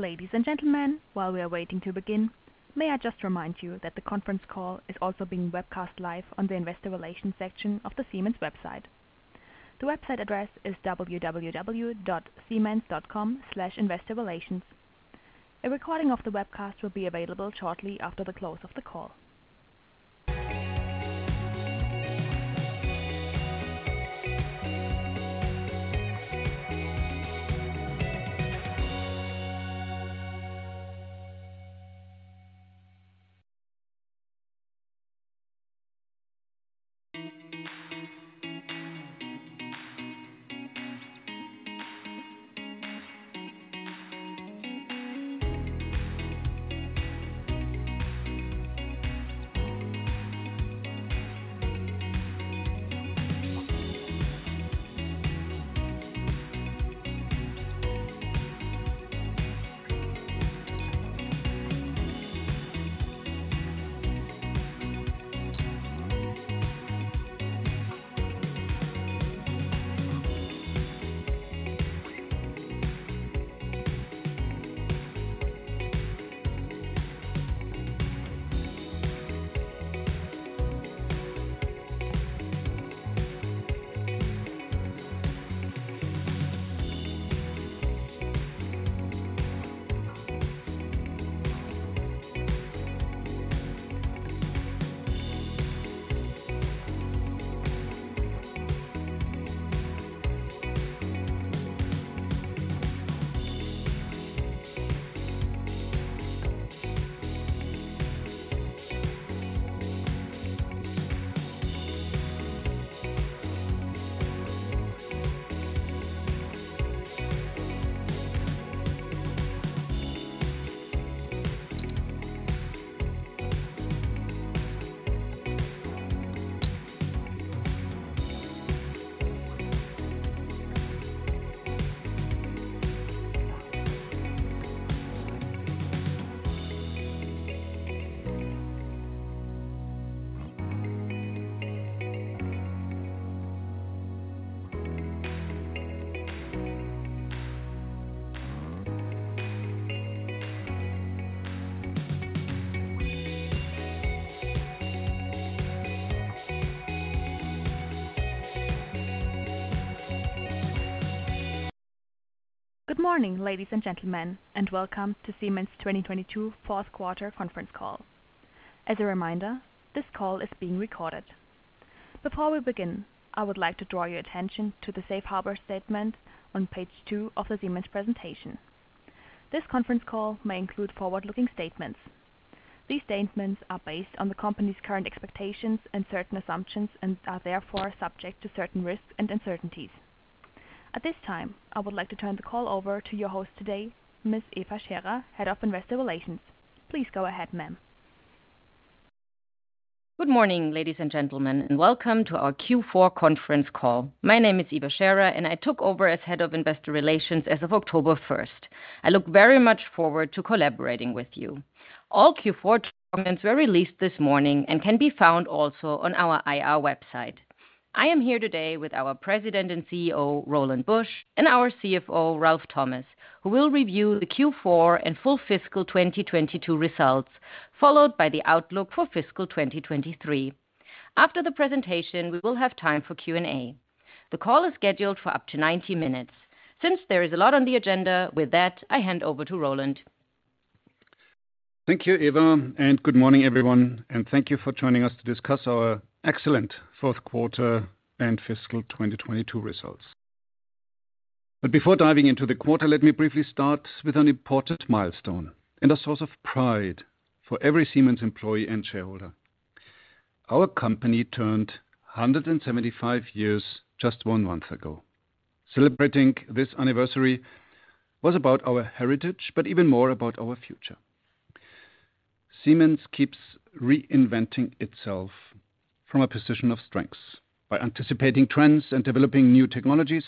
Ladies and gentlemen, while we are waiting to begin, may I just remind you that the conference call is also being webcast live on the Investor Relations section of the Siemens website. The website address is www.siemens.com/investorrelations. A recording of the webcast will be available shortly after the close of the call. Good morning, ladies and gentlemen, and welcome to Siemens 2022 fourth quarter conference call. As a reminder, this call is being recorded. Before we begin, I would like to draw your attention to the safe harbor statement on page two of the Siemens presentation. This conference call may include forward-looking statements. These statements are based on the company's current expectations and certain assumptions and are therefore subject to certain risks and uncertainties. At this time, I would like to turn the call over to your host today, Ms. Eva Scherer, Head of Investor Relations. Please go ahead, ma'am. Good morning, ladies and gentlemen, and welcome to our Q4 conference call. My name is Eva Scherer, and I took over as Head of Investor Relations as of October 1st. I look very much forward to collaborating with you. All Q4 documents were released this morning and can be found also on our IR website. I am here today with our President and CEO, Roland Busch; and our CFO, Ralf Thomas, who will review the Q4 and full fiscal 2022 results, followed by the outlook for fiscal 2023. After the presentation, we will have time for Q&A. The call is scheduled for up to 90 minutes. Since there is a lot on the agenda, with that, I hand over to Roland. Thank you, Eva, and good morning, everyone. Thank you for joining us to discuss our excellent fourth quarter and fiscal 2022 results. Before diving into the quarter, let me briefly start with an important milestone and a source of pride for every Siemens employee and shareholder. Our company turned 175 years just one month ago. Celebrating this anniversary was about our heritage, but even more about our future. Siemens keeps reinventing itself from a position of strengths, by anticipating trends and developing new technologies,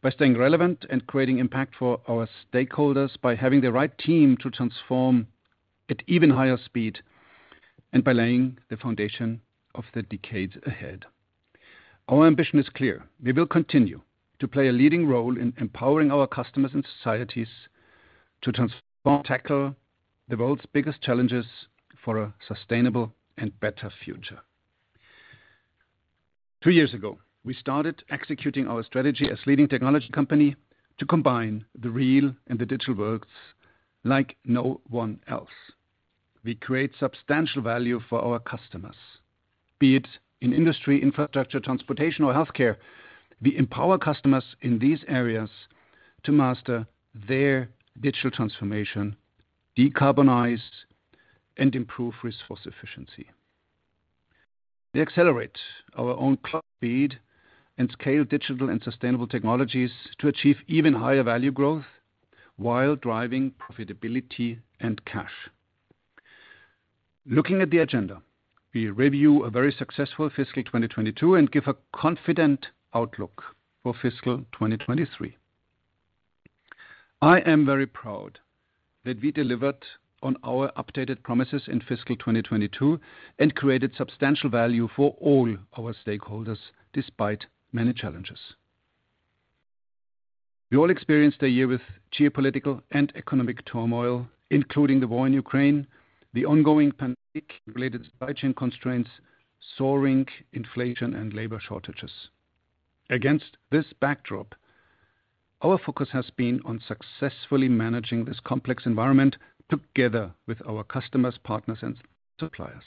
by staying relevant and creating impact for our stakeholders, by having the right team to transform at even higher speed, and by laying the foundation of the decades ahead. Our ambition is clear. We will continue to play a leading role in empowering our customers and societies to transform and tackle the world's biggest challenges for a sustainable and better future. Two years ago, we started executing our strategy as leading technology company to combine the real and the digital worlds like no one else. We create substantial value for our customers, be it in industry, infrastructure, transportation, or healthcare. We empower customers in these areas to master their digital transformation, decarbonize, and improve resource efficiency. We accelerate our own clock speed and scale digital and sustainable technologies to achieve even higher value growth while driving profitability and cash. Looking at the agenda, we review a very successful fiscal 2022 and give a confident outlook for fiscal 2023. I am very proud that we delivered on our updated promises in fiscal 2022 and created substantial value for all our stakeholders despite many challenges. We all experienced a year with geopolitical and economic turmoil, including the war in Ukraine, the ongoing pandemic-related supply chain constraints, soaring inflation, and labor shortages. Against this backdrop, our focus has been on successfully managing this complex environment together with our customers, partners, and suppliers.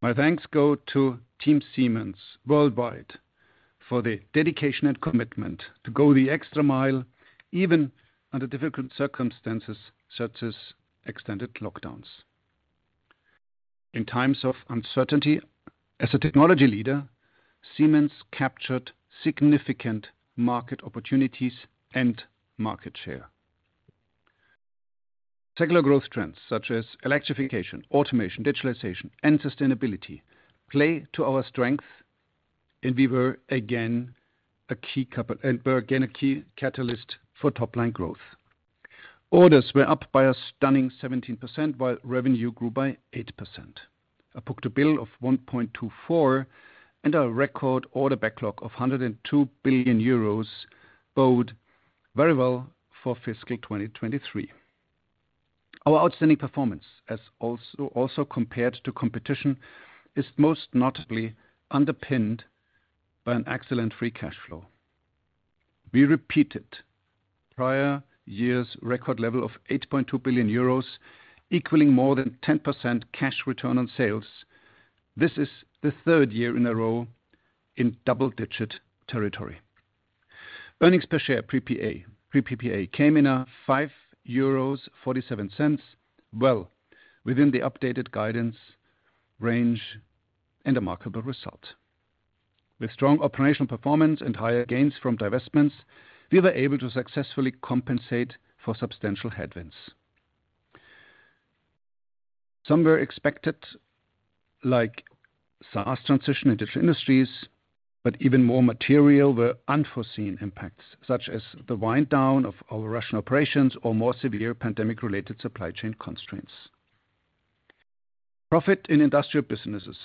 My thanks go to Team Siemens worldwide for the dedication and commitment to go the extra mile even under difficult circumstances such as extended lockdowns. In times of uncertainty, as a technology leader, Siemens captured significant market opportunities and market share. Secular growth trends such as electrification, automation, digitalization, and sustainability play to our strength, and we were again a key catalyst for top-line growth. Orders were up by a stunning 17% while revenue grew by 8%. A book-to-bill of 1.24 and a record order backlog of 102 billion euros bode very well for fiscal 2023. Our outstanding performance, as also compared to competition, is most notably underpinned by an excellent free cash flow. We repeated prior year's record level of 8.2 billion euros, equaling more than 10% cash return on sales. This is the third year in a row in double-digit territory. Earnings per share PPA came in at 5.47 euros, well within the updated guidance range and a remarkable result. With strong operational performance and higher gains from divestments, we were able to successfully compensate for substantial headwinds. Some were expected, like SaaS transition in Digital Industries, but even more material were unforeseen impacts, such as the wind down of our Russian operations or more severe pandemic-related supply chain constraints. Profit in industrial businesses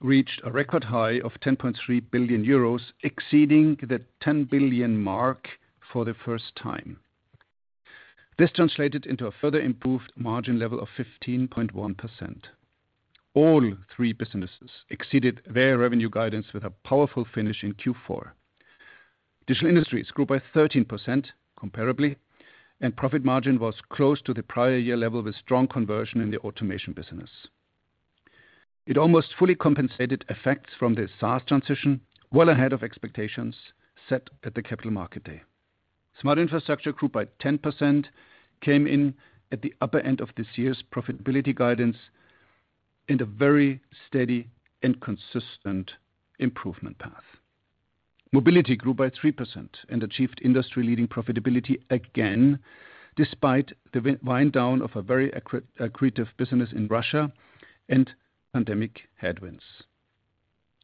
reached a record high of 10.3 billion euros, exceeding the 10 billion mark for the first time. This translated into a further improved margin level of 15.1%. All three businesses exceeded their revenue guidance with a powerful finish in Q4. Digital Industries grew by 13% comparably, and profit margin was close to the prior year level with strong conversion in the automation business. It almost fully compensated effects from the SaaS transition well ahead of expectations set at the Capital Markets Day. Smart Infrastructure grew by 10%, came in at the upper end of this year's profitability guidance, and a very steady and consistent improvement path. Mobility grew by 3% and achieved industry-leading profitability again despite the wind-down of a very accretive business in Russia and pandemic headwinds.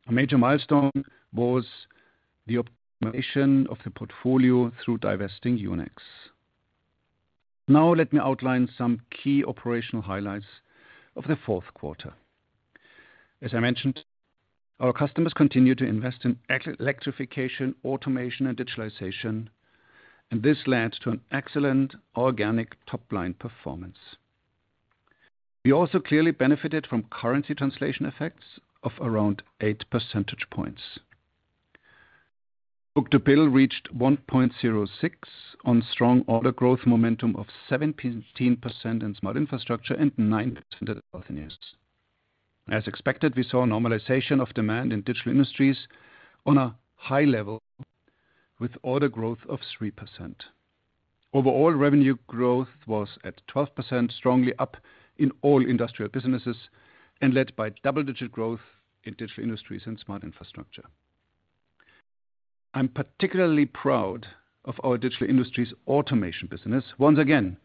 A major milestone was the optimization of the portfolio through divesting Yunex. Now let me outline some key operational highlights of the fourth quarter. As I mentioned, our customers continue to invest in electrification, automation, and digitalization, and this led to an excellent organic top-line performance. We also clearly benefited from currency translation effects of around 8 percentage points. Book-to-bill reached 1.06 on strong order growth momentum of 17% in Smart Infrastructure and 9% in revenues. As expected, we saw normalization of demand in Digital Industries on a high level with order growth of 3%. Overall revenue growth was at 12%, strongly up in all industrial businesses, and led by double-digit growth in Digital Industries and Smart Infrastructure. I'm particularly proud of our Digital Industries automation business, once again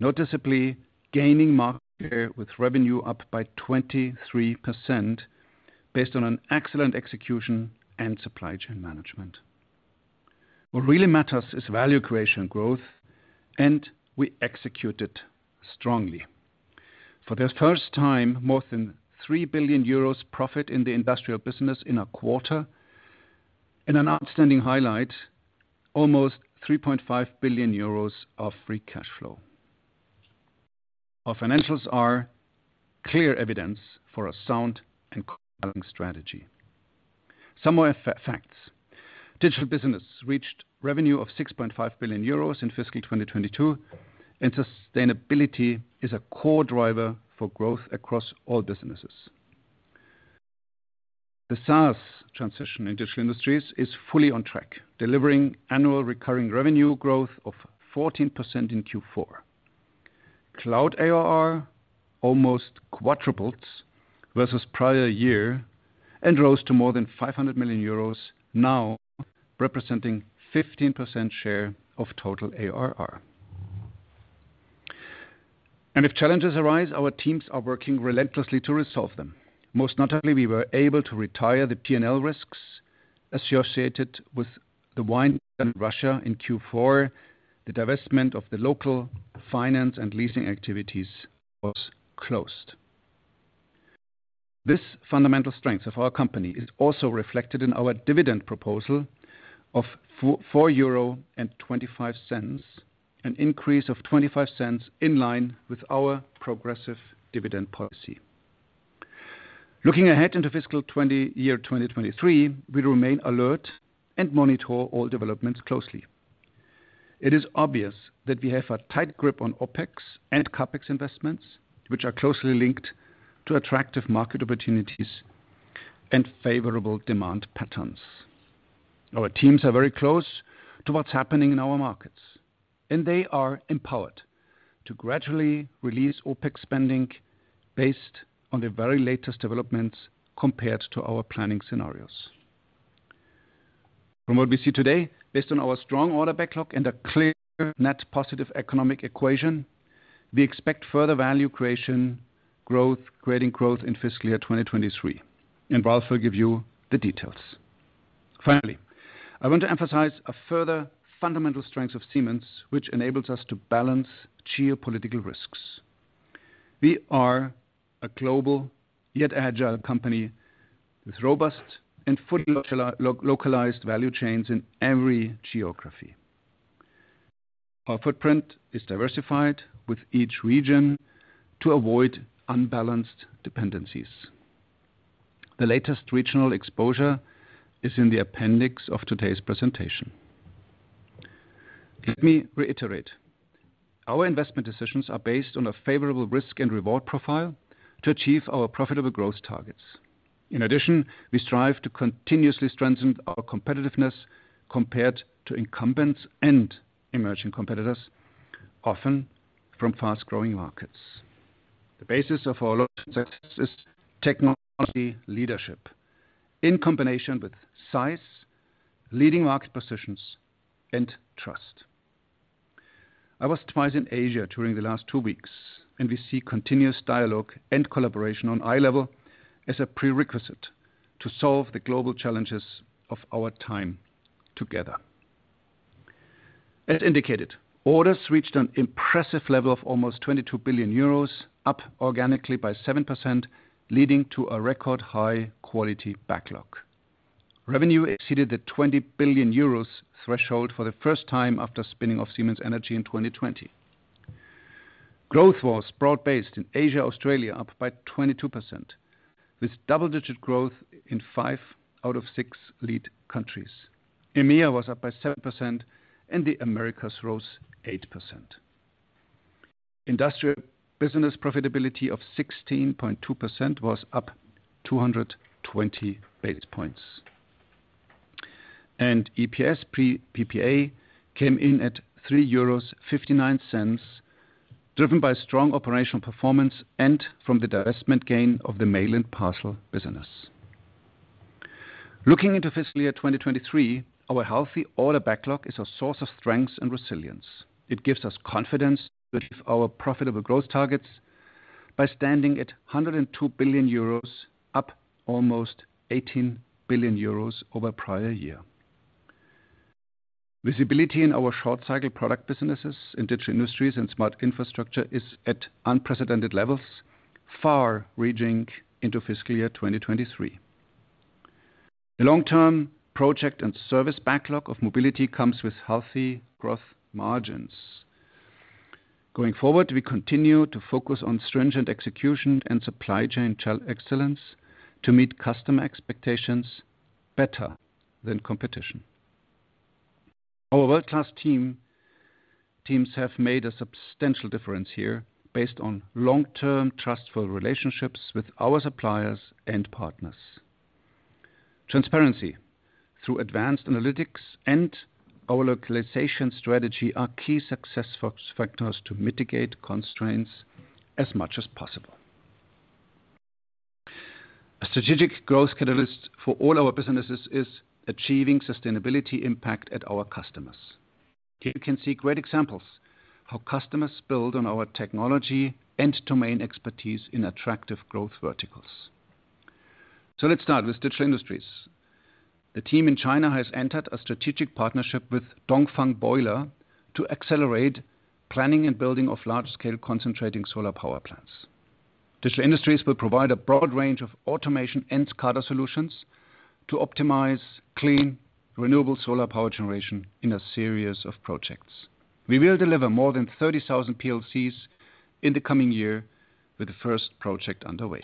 noticeably gaining market share with revenue up by 23% based on an excellent execution and supply chain management. What really matters is value creation and growth, and we executed strongly. For the first time, more than 3 billion euros profit in the industrial business in a quarter, and an outstanding highlight, almost 3.5 billion euros of free cash flow. Our financials are clear evidence for a sound and compelling strategy. Some more facts. Digital business reached revenue of 6.5 billion euros in fiscal 2022, and sustainability is a core driver for growth across all businesses. The SaaS transition in Digital Industries is fully on track, delivering annual recurring revenue growth of 14% in Q4. Cloud ARR almost quadrupled versus prior year and rose to more than 500 million euros now, representing a 15% share of total ARR. If challenges arise, our teams are working relentlessly to resolve them. Most notably, we were able to retire the P&L risks associated with the wind-down in Russia in Q4. The divestment of the local finance and leasing activities was closed. This fundamental strength of our company is also reflected in our dividend proposal of 4.25 euro, an increase of 0.25 in line with our progressive dividend policy. Looking ahead into fiscal year 2023, we remain alert and monitor all developments closely. It is obvious that we have a tight grip on OpEx and CapEx investments, which are closely linked to attractive market opportunities and favorable demand patterns. Our teams are very close to what's happening in our markets, and they are empowered to gradually release OpEx spending based on the very latest developments compared to our planning scenarios. From what we see today, based on our strong order backlog and a clear net positive economic equation, we expect further value creation, creating growth in fiscal year 2023. Ralf will give you the details. Finally, I want to emphasize a further fundamental strength of Siemens, which enables us to balance geopolitical risks. We are a global yet agile company with robust and fully localized value chains in every geography. Our footprint is diversified with each region to avoid unbalanced dependencies. The latest regional exposure is in the appendix of today's presentation. Let me reiterate. Our investment decisions are based on a favorable risk and reward profile to achieve our profitable growth targets. In addition, we strive to continuously strengthen our competitiveness compared to incumbents and emerging competitors, often from fast-growing markets. The basis of our success is technology leadership in combination with size, leading market positions, and trust. I was twice in Asia during the last two weeks, and we see continuous dialogue and collaboration on eye level as a prerequisite to solve the global challenges of our time together. As indicated, orders reached an impressive level of almost 22 billion euros, up organically by 7%, leading to a record high-quality backlog. Revenue exceeded the 20 billion euros threshold for the first time after spinning off Siemens Energy in 2020. Growth was broad-based in Asia, Australia, up by 22%, with double-digit growth in five out of six lead countries. EMEA was up by 7%, and the Americas rose 8%. Industrial Business profitability of 16.2% was up 220 basis points. EPS pre PPA came in at 3.59 euros, driven by strong operational performance and from the divestment gain of the mail and parcel business. Looking into fiscal year 2023, our healthy order backlog is a source of strength and resilience. It gives us confidence to achieve our profitable growth targets by standing at 102 billion euros, up almost 18 billion euros over prior year. Visibility in our short-cycle product businesses in Digital Industries and Smart Infrastructure is at unprecedented levels, far reaching into fiscal year 2023. The long-term project and service backlog of Mobility comes with healthy growth margins. Going forward, we continue to focus on stringent execution and supply chain excellence to meet customer expectations better than competition. Our world-class teams have made a substantial difference here based on long-term trustful relationships with our suppliers and partners. Transparency through advanced analytics and our localization strategy are key success factors to mitigate constraints as much as possible. A strategic growth catalyst for all our businesses is achieving sustainability impact at our customers. You can see great examples of how customers build on our technology and domain expertise in attractive growth verticals. Let's start with Digital Industries. The team in China has entered a strategic partnership with Dongfang Boiler to accelerate planning and building of large-scale concentrating solar power plants. Digital Industries will provide a broad range of automation and SCADA solutions to optimize clean, renewable solar power generation in a series of projects. We will deliver more than 30,000 PLCs in the coming year with the first project underway.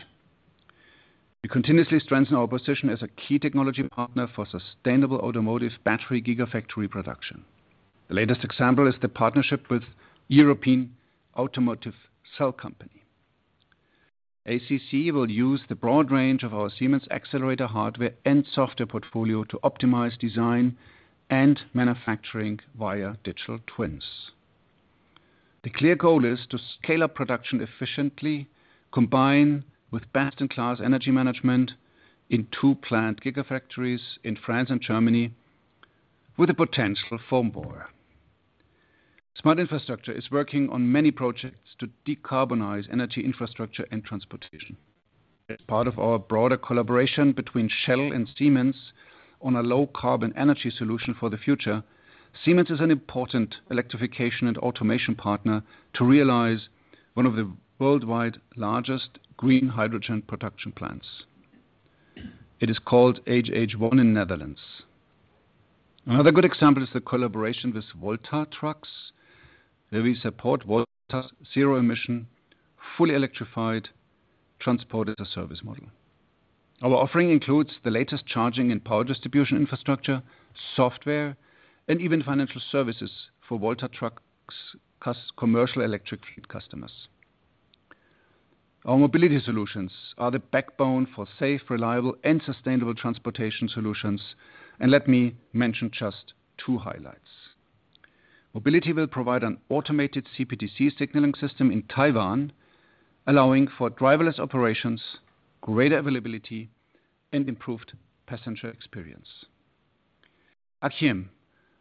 We continuously strengthen our position as a key technology partner for sustainable automotive battery gigafactory production. The latest example is the partnership with European Automotive Cells Company. ACC will use the broad range of our Siemens Xcelerator hardware and software portfolio to optimize design and manufacturing via digital twins. The clear goal is to scale up production efficiently, combine with best-in-class energy management in two plant gigafactories in France and Germany with the potential for more. Smart Infrastructure is working on many projects to decarbonize energy infrastructure and transportation. As part of our broader collaboration between Shell and Siemens on a low-carbon energy solution for the future, Siemens is an important electrification and automation partner to realize one of the worldwide largest green hydrogen production plants. It is called HH1 in the Netherlands. Another good example is the collaboration with Volta Trucks, where we support Volta's zero-emission, fully electrified transport as a service model. Our offering includes the latest charging and power distribution infrastructure, software, and even financial services for Volta Trucks commercial electric fleet customers. Our mobility solutions are the backbone for safe, reliable, and sustainable transportation solutions. Let me mention just two highlights. Mobility will provide an automated CBTC signaling system in Taiwan, allowing for driverless operations, greater availability, and improved passenger experience. Akiem,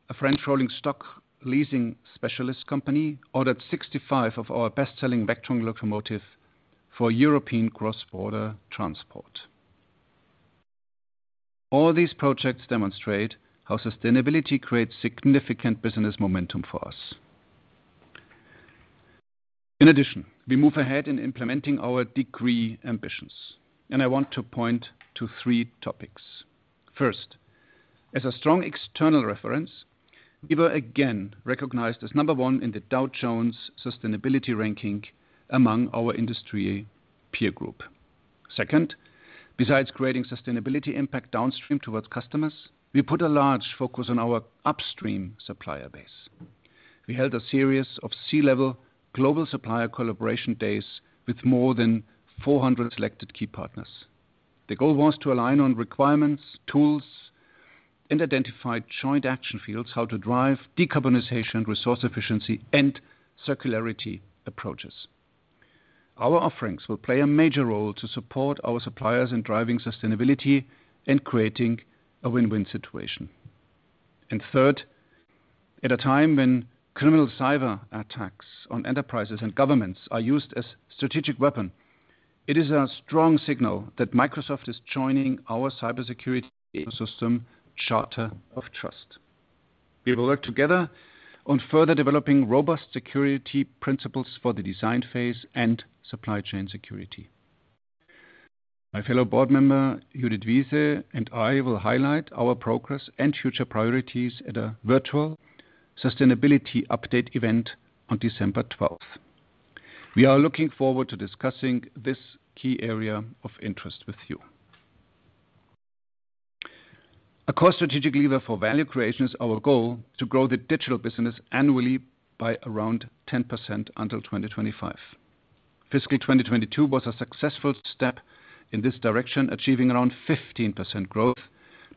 a French rolling stock leasing specialist company, ordered 65 of our best-selling Vectron locomotives for European cross-border transport. All these projects demonstrate how sustainability creates significant business momentum for us. In addition, we move ahead in implementing our DEGREE ambitions, and I want to point to three topics. First, as a strong external reference, we were again recognized as number one in the Dow Jones Sustainability Ranking among our industry peer group. Second, besides creating sustainability impact downstream towards customers, we put a large focus on our upstream supplier base. We held a series of C-level global supplier collaboration days with more than 400 selected key partners. The goal was to align on requirements, tools, and identify joint action fields on how to drive decarbonization, resource efficiency, and circularity approaches. Our offerings will play a major role to support our suppliers in driving sustainability and creating a win-win situation. Third, at a time when criminal cyberattacks on enterprises and governments are used as a strategic weapon, it is a strong signal that Microsoft is joining our cybersecurity ecosystem Charter of Trust. We will work together on further developing robust security principles for the design phase and supply chain security. My fellow Board Member, Judith Wiese, and I will highlight our progress and future priorities at a virtual sustainability update event on December 12th. We are looking forward to discussing this key area of interest with you. A core strategic lever for value creation is our goal to grow the digital business annually by around 10% until 2025. Fiscal 2022 was a successful step in this direction, achieving around 15% growth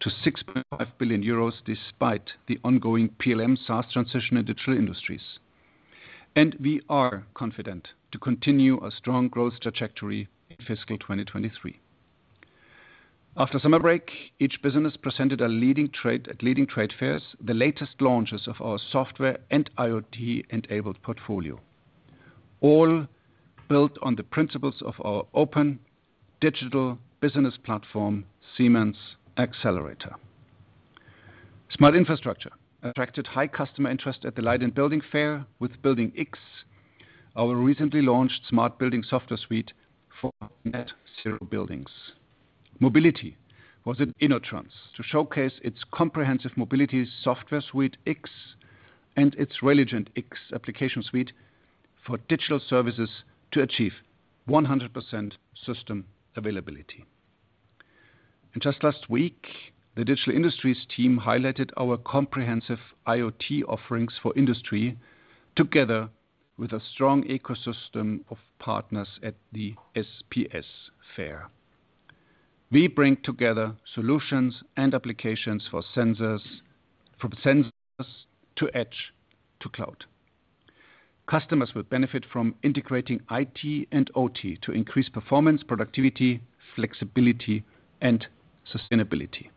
to 6.5 billion euros despite the ongoing PLM/SaaS transition in Digital Industries. We are confident to continue a strong growth trajectory in fiscal 2023. After summer break, each business presented at leading trade fairs the latest launches of our software and IoT-enabled portfolio, all built on the principles of our open digital business platform, Siemens Xcelerator. Smart Infrastructure attracted high customer interest at the Light + Building fair with Building X, our recently launched smart building software suite for net-zero buildings. Mobility was at InnoTrans to showcase its comprehensive mobility software suite X and its Railigent X application suite for digital services to achieve 100% system availability. Just last week, the Digital Industries team highlighted our comprehensive IoT offerings for industry together with a strong ecosystem of partners at the SPS Fair. We bring together solutions and applications from sensors to edge to cloud. Customers will benefit from integrating IT and OT to increase performance, productivity, flexibility, and sustainability.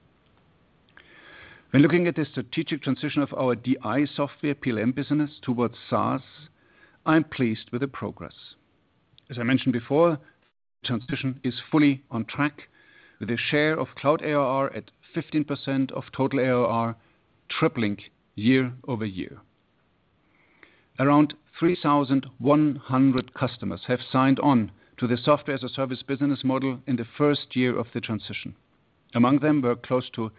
When looking at the strategic transition of our DI software PLM business towards SaaS, I'm pleased with the progress. As I mentioned before, the transition is fully on track with a share of cloud ARR at 15% of total ARR, tripling year-over-year. Around 3,100 customers have signed on to the Software as a Service business model in the first year of the transition. Among them were close to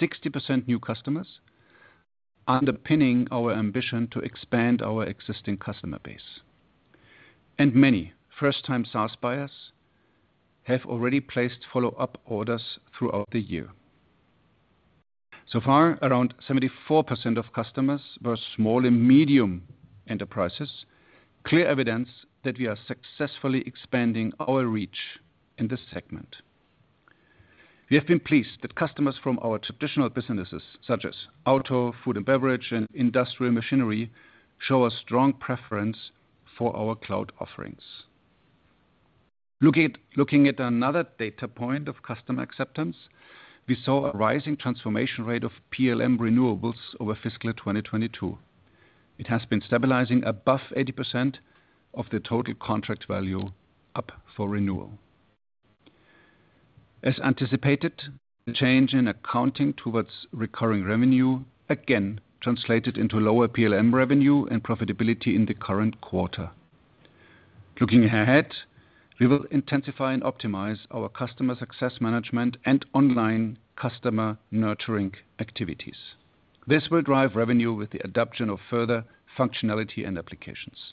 60% new customers underpinning our ambition to expand our existing customer base. Many first-time SaaS buyers have already placed follow-up orders throughout the year. So far, around 74% of customers were small and medium enterprises, clear evidence that we are successfully expanding our reach in this segment. We have been pleased that customers from our traditional businesses, such as auto, food and beverage, and industrial machinery, show a strong preference for our cloud offerings. Looking at another data point of customer acceptance, we saw a rising transformation rate of PLM renewals over fiscal 2022. It has been stabilizing above 80% of the total contract value up for renewal. As anticipated, the change in accounting towards recurring revenue again translated into lower PLM revenue and profitability in the current quarter. Looking ahead, we will intensify and optimize our customer success management and online customer nurturing activities. This will drive revenue with the adoption of further functionality and applications.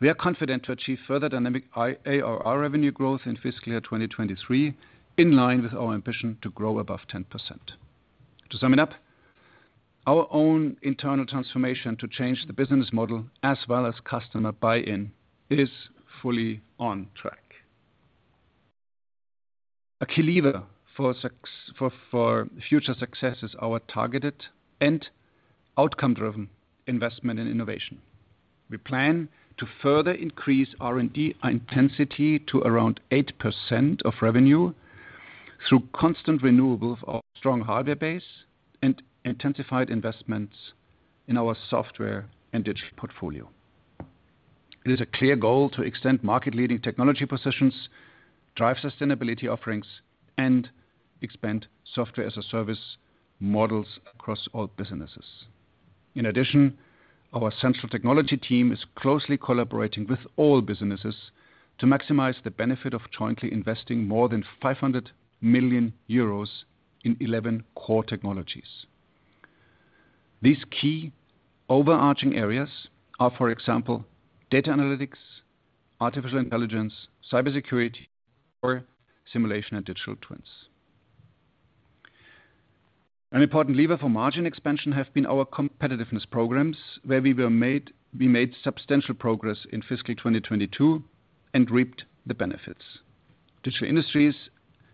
We are confident to achieve further dynamic ARR revenue growth in fiscal year 2023 in line with our ambition to grow above 10%. To sum it up, our own internal transformation to change the business model as well as customer buy-in is fully on track. A key lever for future success is our targeted and outcome-driven investment in innovation. We plan to further increase R&D intensity to around 8% of revenue through constant renewal of our strong hardware base and intensified investments in our software and digital portfolio. It is a clear goal to extend market-leading technology positions, drive sustainability offerings, and expand Software as a Service models across all businesses. In addition, our central technology team is closely collaborating with all businesses to maximize the benefit of jointly investing more than 500 million euros in 11 core technologies. These key overarching areas are, for example, data analytics, artificial intelligence, cybersecurity, simulation, and digital twins. An important lever for margin expansion has been our competitiveness programs, where we made substantial progress in fiscal 2022 and reaped the benefits. Digital Industries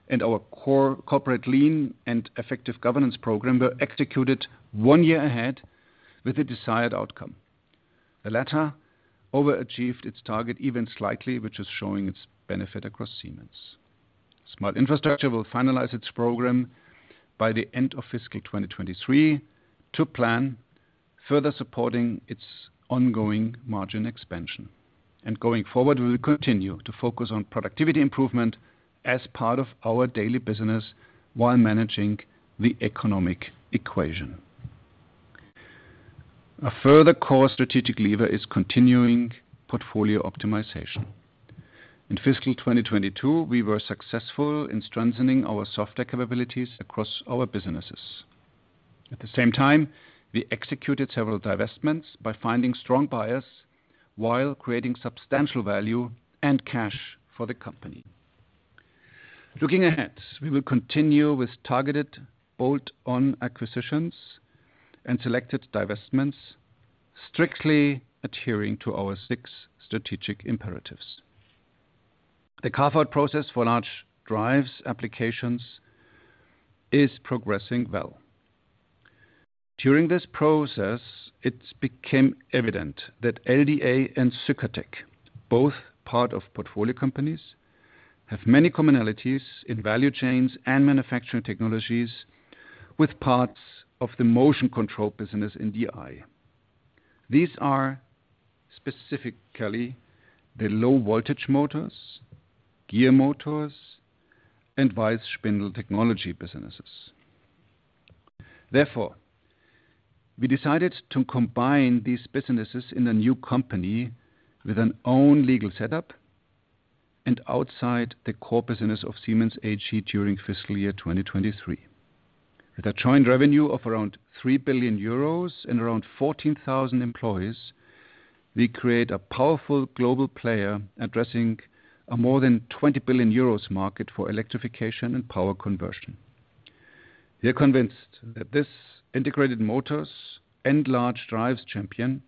and our core corporate lean and effective governance program were executed one year ahead with the desired outcome. The latter overachieved its target even slightly, which is showing its benefit across Siemens. Smart Infrastructure will finalize its program by the end of fiscal 2023 to plan further supporting its ongoing margin expansion. Going forward, we will continue to focus on productivity improvement as part of our daily business while managing the economic equation. A further core strategic lever is continuing portfolio optimization. In fiscal 2022, we were successful in strengthening our software capabilities across our businesses. At the same time, we executed several divestments by finding strong buyers while creating substantial value and cash for the company. Looking ahead, we will continue with targeted bolt-on acquisitions and selected divestments, strictly adhering to our six strategic imperatives. The carve-out process for Large Drives Applications is progressing well. During this process, it became evident that LDA and Sykatec, both part of portfolio companies, have many commonalities in value chains and manufacturing technologies with parts of the Motion Control business in DI. These are specifically the low-voltage motors, gear motors, and WEISS Spindeltechnologie businesses. Therefore, we decided to combine these businesses in a new company with our own legal setup and outside the core business of Siemens AG during fiscal year 2023. With a joint revenue of around 3 billion euros and around 14,000 employees, we create a powerful global player addressing a more than 20 billion euros market for electrification and power conversion. We are convinced that this integrated motors and large drives champion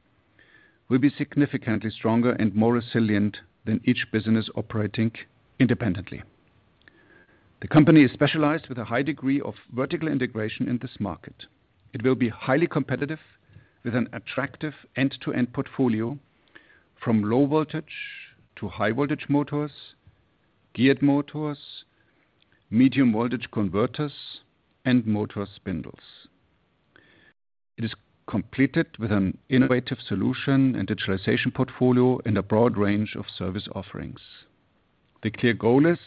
will be significantly stronger and more resilient than each business operating independently. The company is specialized with a high degree of vertical integration in this market. It will be highly competitive with an attractive end-to-end portfolio from low voltage to high voltage motors, geared motors, medium voltage converters, and motor spindles. It is completed with an innovative solution and digitalization portfolio and a broad range of service offerings. The clear goal is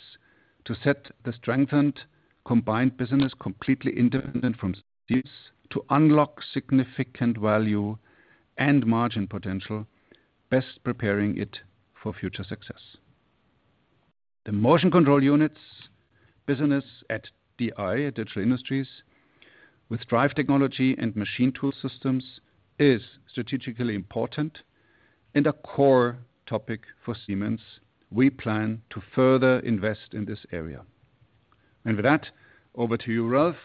to set the strengthened combined business completely independent from Siemens to unlock significant value and margin potential, best preparing it for future success. The Motion Control Units business at DI, Digital Industries, with drive technology and machine tool systems is strategically important and a core topic for Siemens. We plan to further invest in this area. With that, over to you, Ralf.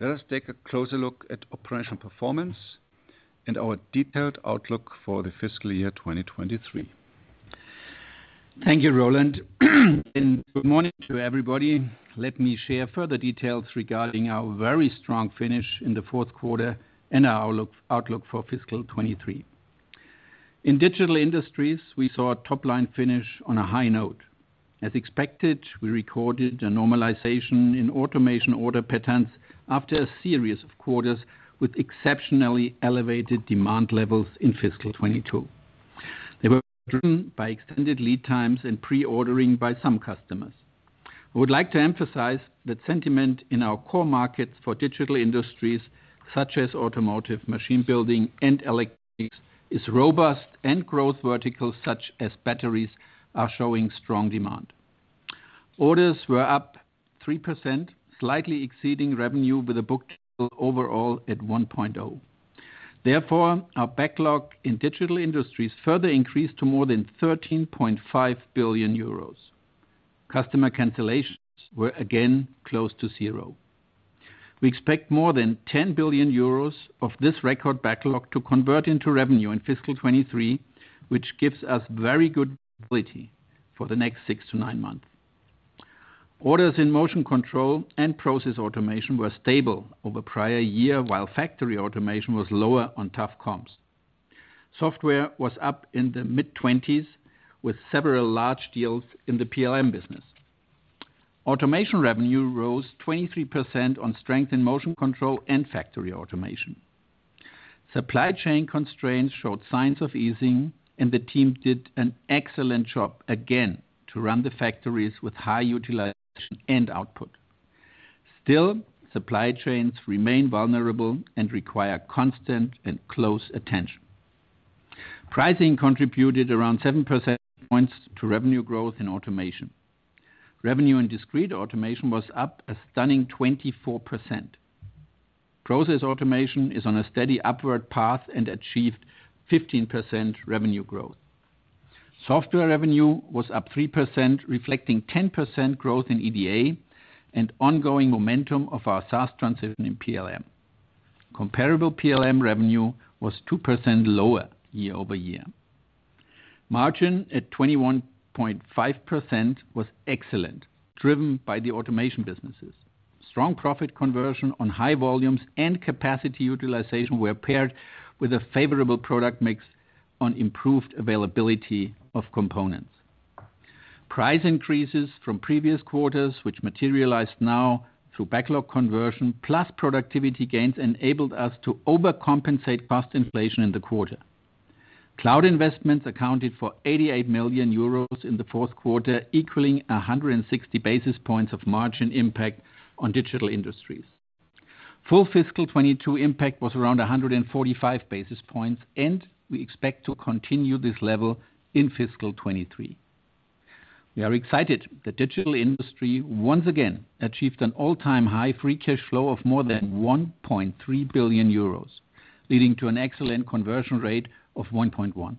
Let us take a closer look at operational performance and our detailed outlook for the fiscal year 2023. Thank you, Roland. Good morning to everybody. Let me share further details regarding our very strong finish in the fourth quarter and our outlook for fiscal 2023. In Digital Industries, we saw a top-line finish on a high note. As expected, we recorded a normalization in automation order patterns after a series of quarters with exceptionally elevated demand levels in fiscal 2022. They were driven by extended lead times and pre-ordering by some customers. I would like to emphasize that sentiment in our core markets for Digital Industries, such as automotive, machine building, and electronics, is robust and growth verticals, such as batteries, are showing strong demand. Orders were up 3%, slightly exceeding revenue with a book-to-bill at 1.0. Therefore, our backlog in Digital Industries further increased to more than 13.5 billion euros. Customer cancellations were again close to zero. We expect more than 10 billion euros of this record backlog to convert into revenue in fiscal 2023, which gives us very good visibility for the next six to nine months. Orders in Motion Control and Process Automation were stable over the prior year, while Factory Automation was lower on tough comps. Software was up in the mid-20s with several large deals in the PLM business. Automation revenue rose 23% on strength in Motion Control and Factory Automation. Supply chain constraints showed signs of easing, and the team did an excellent job again to run the factories with high utilization and output. Still, supply chains remain vulnerable and require constant and close attention. Pricing contributed around seven percentage points to revenue growth in automation. Revenue in discrete automation was up a stunning 24%. Process Automation is on a steady upward path and achieved 15% revenue growth. Software revenue was up 3%, reflecting 10% growth in EDA and ongoing momentum of our SaaS transition in PLM. Comparable PLM revenue was 2% lower year-over-year. Margin at 21.5% was excellent, driven by the automation businesses. Strong profit conversion on high volumes and capacity utilization were paired with a favorable product mix on improved availability of components. Price increases from previous quarters, which materialized now through backlog conversion plus productivity gains, enabled us to overcompensate cost inflation in the quarter. Cloud investments accounted for 88 million euros in the fourth quarter, equaling 160 basis points of margin impact on Digital Industries. Full fiscal 2022 impact was around 145 basis points, and we expect to continue this level in fiscal 2023. We are excited that digital industry once again achieved an all-time high free cash flow of more than 1.3 billion euros, leading to an excellent conversion rate of 1.1.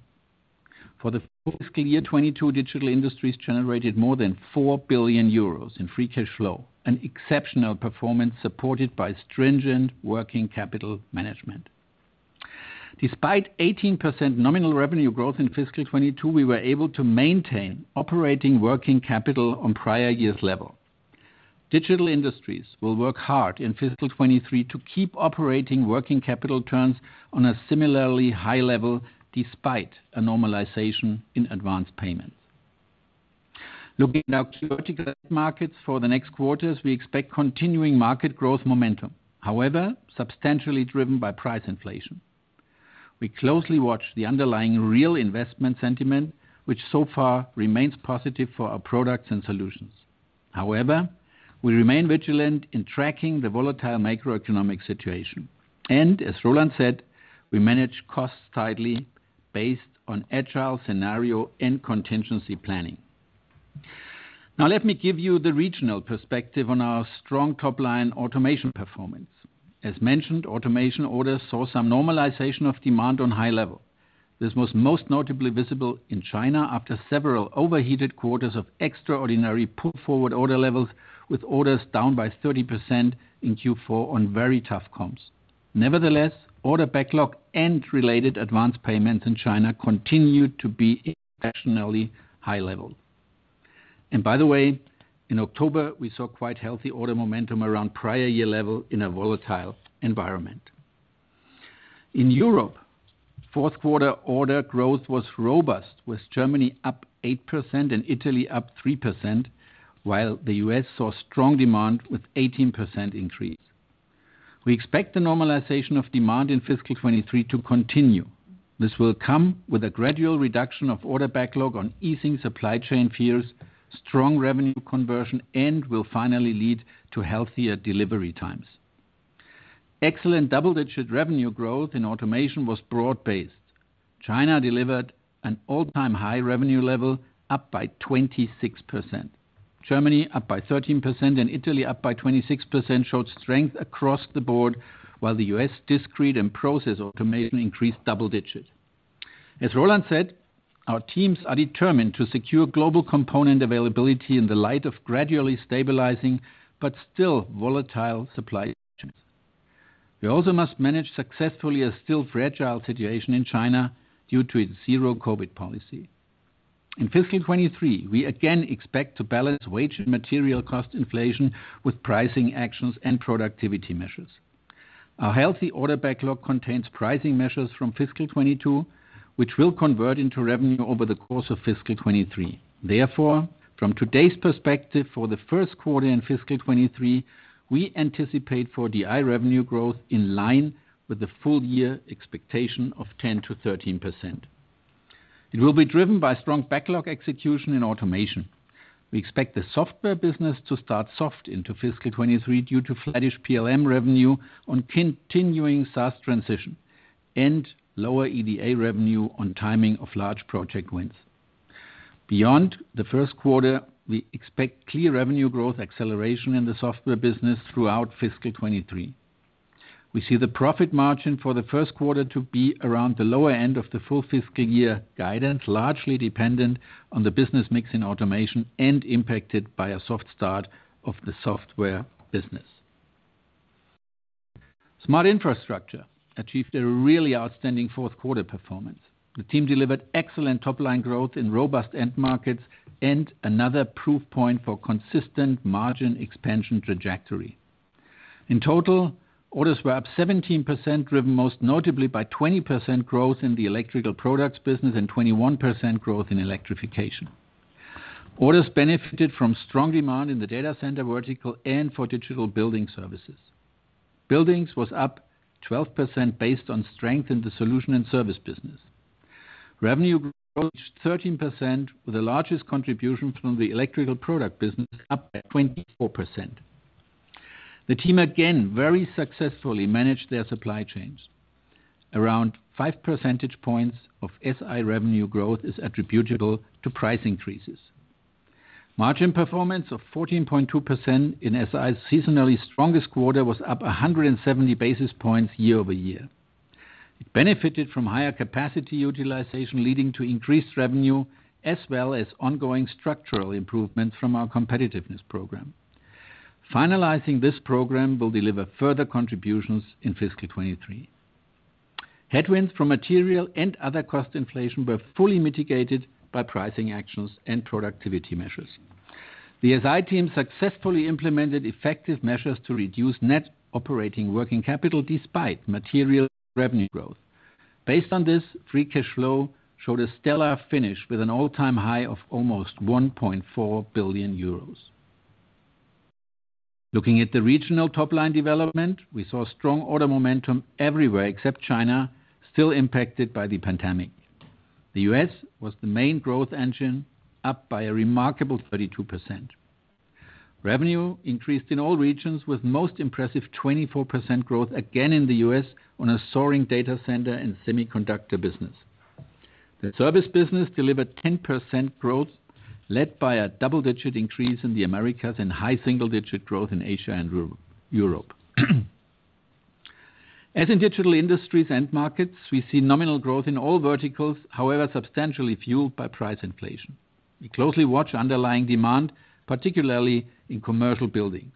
For the fiscal year 2022, Digital Industries generated more than 4 billion euros in free cash flow, an exceptional performance supported by stringent working capital management. Despite 18% nominal revenue growth in fiscal 2022, we were able to maintain operating working capital on prior year's level. Digital Industries will work hard in fiscal 2023 to keep operating working capital turns on a similarly high level despite a normalization in advance payments. Looking at our key vertical markets for the next quarters, we expect continuing market growth momentum, however substantially driven by price inflation. We closely watch the underlying real investment sentiment, which so far remains positive for our products and solutions. However, we remain vigilant in tracking the volatile macroeconomic situation and, as Roland said, we manage costs tightly based on agile scenario and contingency planning. Now let me give you the regional perspective on our strong top-line automation performance. As mentioned, automation orders saw some normalization of demand on high level. This was most notably visible in China after several overheated quarters of extraordinary pull-forward order levels, with orders down by 30% in Q4 on very tough comps. Nevertheless, order backlog and related advance payments in China continued to be exceptionally high level. By the way, in October, we saw quite healthy order momentum around prior year level in a volatile environment. In Europe, fourth quarter order growth was robust, with Germany up 8% and Italy up 3%, while the U.S. saw strong demand with an 18% increase. We expect the normalization of demand in fiscal 2023 to continue. This will come with a gradual reduction of order backlog on easing supply chain fears, strong revenue conversion, and will finally lead to healthier delivery times. Excellent double-digit revenue growth in automation was broad-based. China delivered an all-time high revenue level, up by 26%. Germany up by 13% and Italy up by 26% showed strength across the board, while the U.S. discrete and Process Automation increased double digit. As Roland said, our teams are determined to secure global component availability in the light of gradually stabilizing but still volatile supply chains. We also must manage successfully a still fragile situation in China due to its zero-COVID policy. In fiscal 2023, we again expect to balance wage and material cost inflation with pricing actions and productivity measures. Our healthy order backlog contains pricing measures from fiscal 2022, which will convert into revenue over the course of fiscal 2023. Therefore, from today's perspective for the first quarter in fiscal 2023, we anticipate for DI revenue growth in line with the full-year expectation of 10%-13%. It will be driven by strong backlog execution in automation. We expect the software business to start soft into fiscal 2023 due to flattish PLM revenue on continuing SaaS transition and lower EDA revenue on timing of large project wins. Beyond the first quarter, we expect clear revenue growth acceleration in the software business throughout fiscal 2023. We see the profit margin for the first quarter to be around the lower end of the full fiscal year guidance, largely dependent on the business mix in automation and impacted by a soft start of the software business. Smart Infrastructure achieved a really outstanding fourth quarter performance. The team delivered excellent top-line growth in robust end markets and another proof point for consistent margin expansion trajectory. In total, orders were up 17%, driven most notably by 20% growth in the Electrical Products business and 21% growth in Electrification. Orders benefited from strong demand in the data center vertical and for digital building services. Buildings was up 12% based on strength in the solution and service business. Revenue growth reached 13%, with the largest contribution from the Electrical Product business up by 24%. The team again very successfully managed their supply chains. Around five percentage points of SI revenue growth is attributable to price increases. Margin performance of 14.2% in SI's seasonally strongest quarter was up 170 basis points year-over-year. It benefited from higher capacity utilization, leading to increased revenue as well as ongoing structural improvements from our competitiveness program. Finalizing this program will deliver further contributions in fiscal 2023. Headwinds from material and other cost inflation were fully mitigated by pricing actions and productivity measures. The SI team successfully implemented effective measures to reduce net operating working capital despite material revenue growth. Based on this, free cash flow showed a stellar finish with an all-time high of almost 1.4 billion euros. Looking at the regional top-line development, we saw strong order momentum everywhere except China, still impacted by the pandemic. The U.S. was the main growth engine, up by a remarkable 32%. Revenue increased in all regions, with the most impressive 24% growth again in the U.S. on a soaring data center and semiconductor business. The service business delivered 10% growth, led by a double-digit increase in the Americas and high single-digit growth in Asia and Europe. As in Digital Industries and markets, we see nominal growth in all verticals, however, substantially fueled by price inflation. We closely watch underlying demand, particularly in commercial buildings.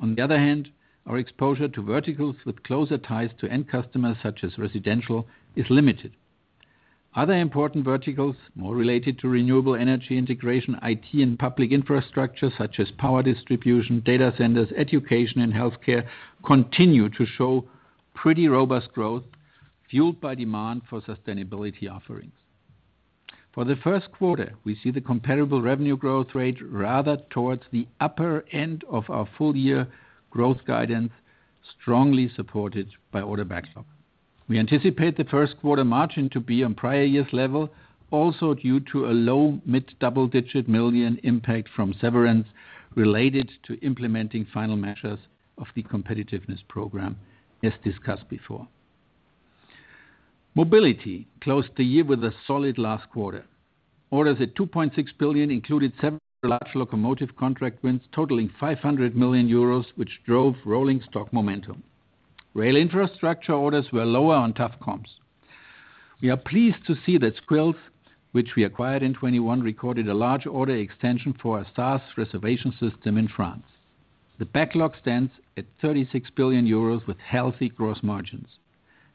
On the other hand, our exposure to verticals with closer ties to end customers, such as residential, is limited. Other important verticals, more related to renewable energy integration, IT, and public infrastructure, such as power distribution, data centers, education, and healthcare, continue to show pretty robust growth fueled by demand for sustainability offerings. For the first quarter, we see the comparable revenue growth rate rather towards the upper end of our full-year growth guidance, strongly supported by order backlog. We anticipate the first quarter margin to be on prior year's level, also due to a low mid-double-digit million impact from severance related to implementing final measures of the competitiveness program, as discussed before. Mobility closed the year with a solid last quarter. Orders at 2.6 billion included several large locomotive contract wins, totaling 500 million euros, which drove rolling stock momentum. Rail infrastructure orders were lower on tough comps. We are pleased to see that Sqills, which we acquired in 2021, recorded a large order extension for our SaaS reservation system in France. The backlog stands at 36 billion euros with healthy gross margins,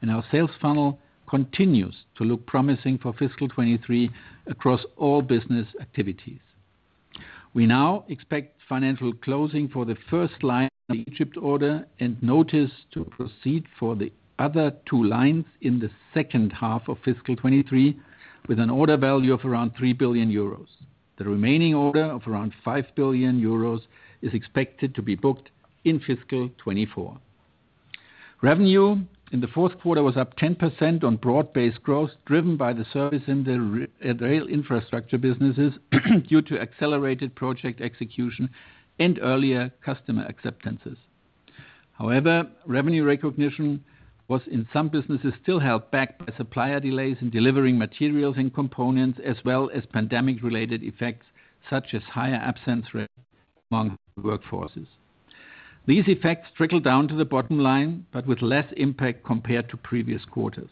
and our sales funnel continues to look promising for fiscal 2023 across all business activities. We now expect financial closing for the first line of the Egypt order and notice to proceed for the other two lines in the second half of fiscal 2023 with an order value of around 3 billion euros. The remaining order of around 5 billion euros is expected to be booked in fiscal 2024. Revenue in the fourth quarter was up 10% on broad-based growth, driven by the service in the rail infrastructure businesses due to accelerated project execution and earlier customer acceptances. However, revenue recognition was in some businesses still held back by supplier delays in delivering materials and components, as well as pandemic-related effects such as higher absence rates among the workforces. These effects trickled down to the bottom line but with less impact compared to previous quarters.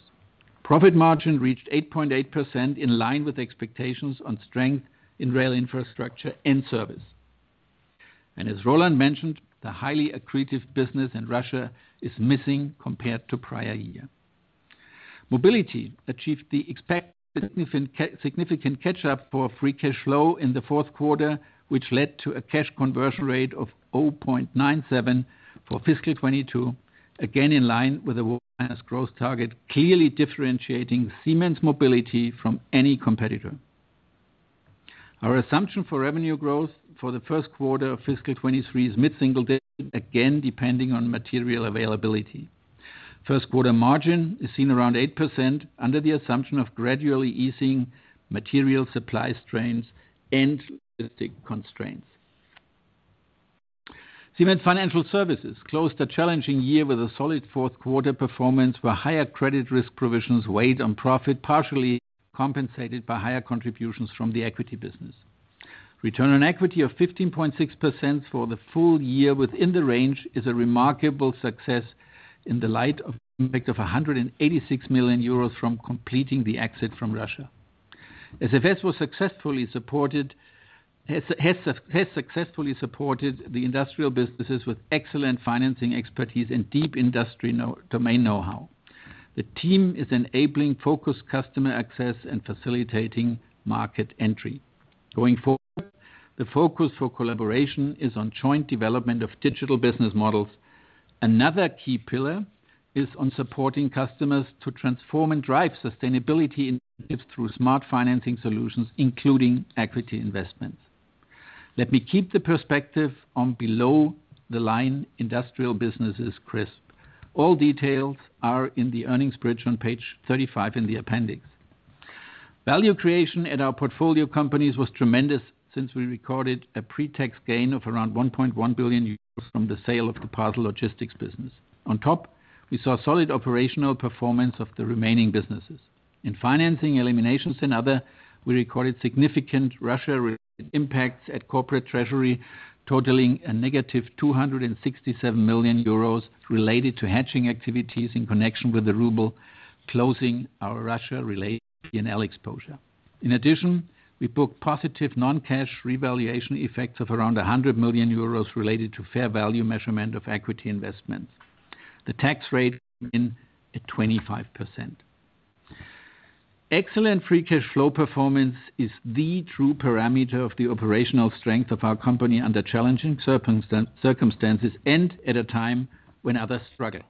Profit margin reached 8.8% in line with expectations on strength in rail infrastructure and service. As Roland mentioned, the highly accretive business in Russia is missing compared to prior year. Mobility achieved the expected significant catch-up for free cash flow in the fourth quarter, which led to a cash conversion rate of 0.97 for fiscal 2022, again in line with our growth target, clearly differentiating Siemens Mobility from any competitor. Our assumption for revenue growth for the first quarter of fiscal 2023 is mid-single digit, again depending on material availability. First quarter margin is seen around 8% under the assumption of gradually easing material supply strains and logistic constraints. Siemens Financial Services closed a challenging year with a solid fourth quarter performance where higher credit risk provisions weighed on profit, partially compensated by higher contributions from the equity business. Return on equity of 15.6% for the full year within the range is a remarkable success in the light of the impact of 186 million euros from completing the exit from Russia. SFS has successfully supported the industrial businesses with excellent financing expertise and deep industry domain know-how. The team is enabling focused customer access and facilitating market entry. Going forward, the focus for collaboration is on joint development of digital business models. Another key pillar is on supporting customers to transform and drive sustainability initiatives through smart financing solutions, including equity investments. Let me keep the perspective on below-the-line industrial businesses crisp. All details are in the earnings bridge on page 35 in the appendix. Value creation at our portfolio companies was tremendous since we recorded a pretax gain of around 1.1 billion euros from the sale of the parcel logistics business. On top, we saw solid operational performance of the remaining businesses. In Financing, Eliminations and Other, we recorded significant Russia-related impacts at Corporate Treasury, totaling a -267 million euros related to hedging activities in connection with the Ruble, closing our Russia-related P&L exposure. In addition, we booked positive non-cash revaluation effects of around 100 million euros related to fair value measurement of equity investments. The tax rate remained at 25%. Excellent free cash flow performance is the true parameter of the operational strength of our company under challenging circumstances and at a time when others struggle.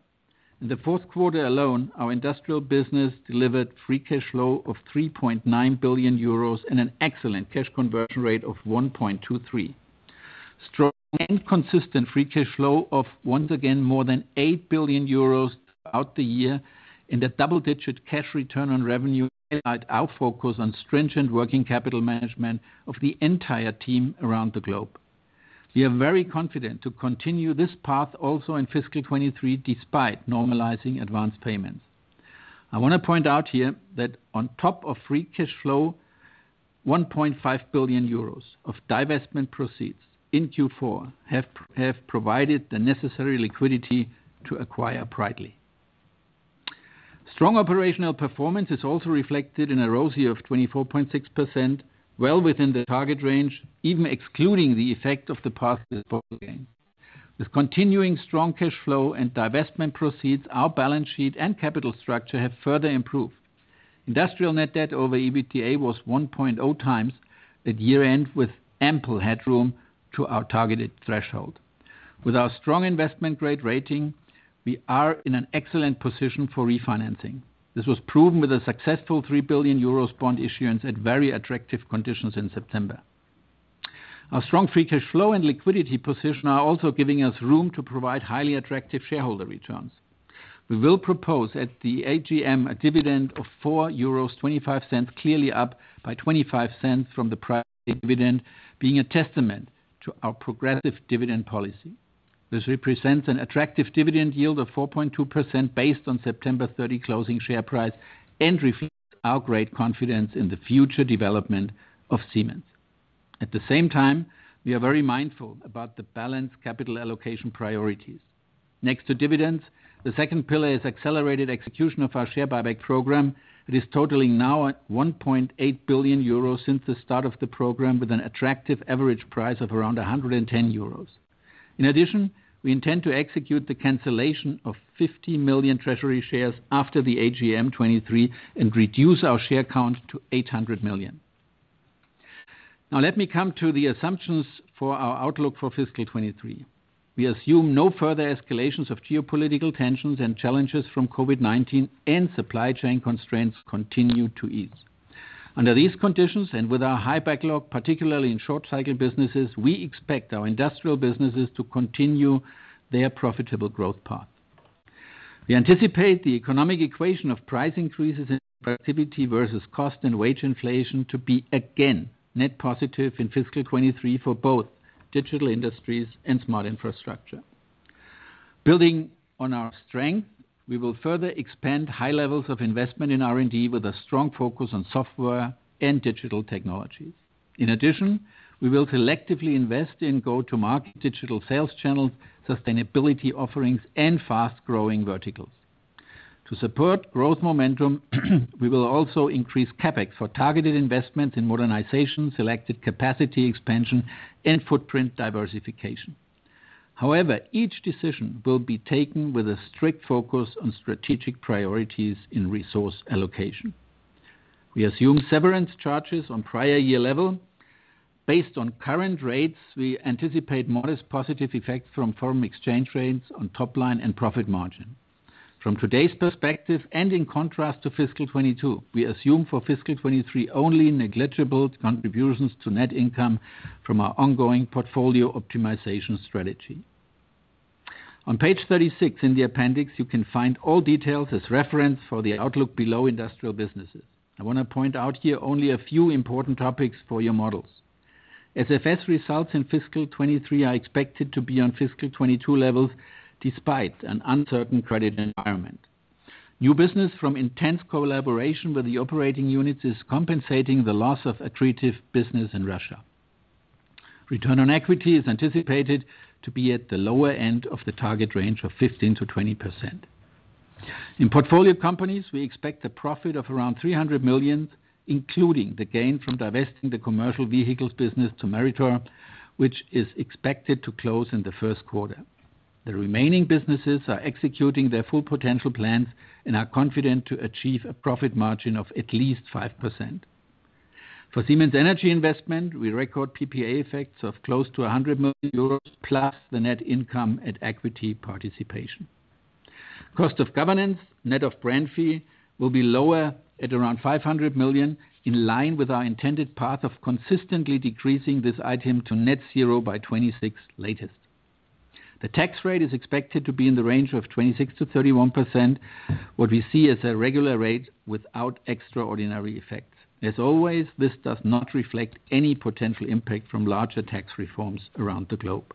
In the fourth quarter alone, our Industrial Business delivered free cash flow of 3.9 billion euros and an excellent cash conversion rate of 1.23. Strong and consistent free cash flow of once again more than 8 billion euros throughout the year and a double-digit cash return on revenue highlight our focus on stringent working capital management of the entire team around the globe. We are very confident to continue this path also in fiscal 2023 despite normalizing advance payments. I want to point out here that on top of free cash flow, 1.5 billion euros of divestment proceeds in Q4 have provided the necessary liquidity to acquire Brightly. Strong operational performance is also reflected in a ROCE of 24.6%, well within the target range, even excluding the effect of the past disposal gain. With continuing strong cash flow and divestment proceeds, our balance sheet and capital structure have further improved. Industrial net debt over EBITDA was 1.0x at year-end, with ample headroom to our targeted threshold. With our strong investment grade rating, we are in an excellent position for refinancing. This was proven with a successful 3 billion euros bond issuance at very attractive conditions in September. Our strong free cash flow and liquidity position are also giving us room to provide highly attractive shareholder returns. We will propose at the AGM a dividend of 4.25 euros, clearly up by 0.25 from the prior dividend, being a testament to our progressive dividend policy. This represents an attractive dividend yield of 4.2% based on September 30 closing share price and reinforces our great confidence in the future development of Siemens. At the same time, we are very mindful about the balanced capital allocation priorities. Next to dividends, the second pillar is accelerated execution of our share buyback program. It is totaling now at 1.8 billion euros since the start of the program, with an attractive average price of around 110 euros. In addition, we intend to execute the cancellation of 50 million treasury shares after the AGM 2023 and reduce our share count to 800 million. Now let me come to the assumptions for our outlook for fiscal 2023. We assume no further escalations of geopolitical tensions and challenges from COVID-19 and supply chain constraints continue to ease. Under these conditions and with our high backlog, particularly in short-cycle businesses, we expect our industrial businesses to continue their profitable growth path. We anticipate the economic equation of price increases and productivity versus cost and wage inflation to be again net positive in fiscal 2023 for both Digital Industries and Smart Infrastructure. Building on our strength, we will further expand high levels of investment in R&D with a strong focus on software and digital technologies. In addition, we will selectively invest in go-to-market digital sales channels, sustainability offerings, and fast-growing verticals. To support growth momentum, we will also increase CapEx for targeted investments in modernization, selected capacity expansion, and footprint diversification. However, each decision will be taken with a strict focus on strategic priorities in resource allocation. We assume severance charges on prior year level. Based on current rates, we anticipate modest positive effects from foreign exchange rates on top-line and profit margin. From today's perspective and in contrast to fiscal 2022, we assume for fiscal 2023 only negligible contributions to net income from our ongoing portfolio optimization strategy. On page 36 in the appendix, you can find all details as reference for the outlook below industrial businesses. I want to point out here only a few important topics for your models. SFS results in fiscal 2023 are expected to be on fiscal 2022 levels despite an uncertain credit environment. New business from intense collaboration with the operating units is compensating the loss of accretive business in Russia. Return on equity is anticipated to be at the lower end of the target range of 15%-20%. In portfolio companies, we expect a profit of around 300 million, including the gain from divesting the commercial vehicles business to Meritor, which is expected to close in the first quarter. The remaining businesses are executing their full potential plans and are confident to achieve a profit margin of at least 5%. For Siemens Energy investment, we record PPA effects of close to 100 million euros plus the net income at equity participation. Cost of governance, net of brand fee, will be lower at around 500 million in line with our intended path of consistently decreasing this item to net zero by 2026 latest. The tax rate is expected to be in the range of 26%-31%, what we see as a regular rate without extraordinary effects. As always, this does not reflect any potential impact from larger tax reforms around the globe.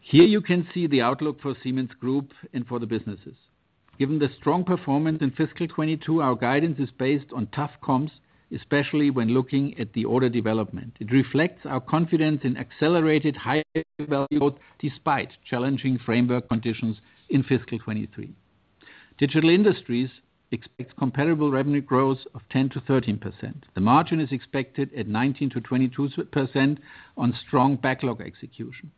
Here you can see the outlook for Siemens Group and for the businesses. Given the strong performance in fiscal 2022, our guidance is based on tough comps, especially when looking at the order development. It reflects our confidence in accelerated higher value growth despite challenging framework conditions in fiscal 2023. Digital Industries expect comparable revenue growth of 10%-13%. The margin is expected at 19%-22% on strong backlog execution.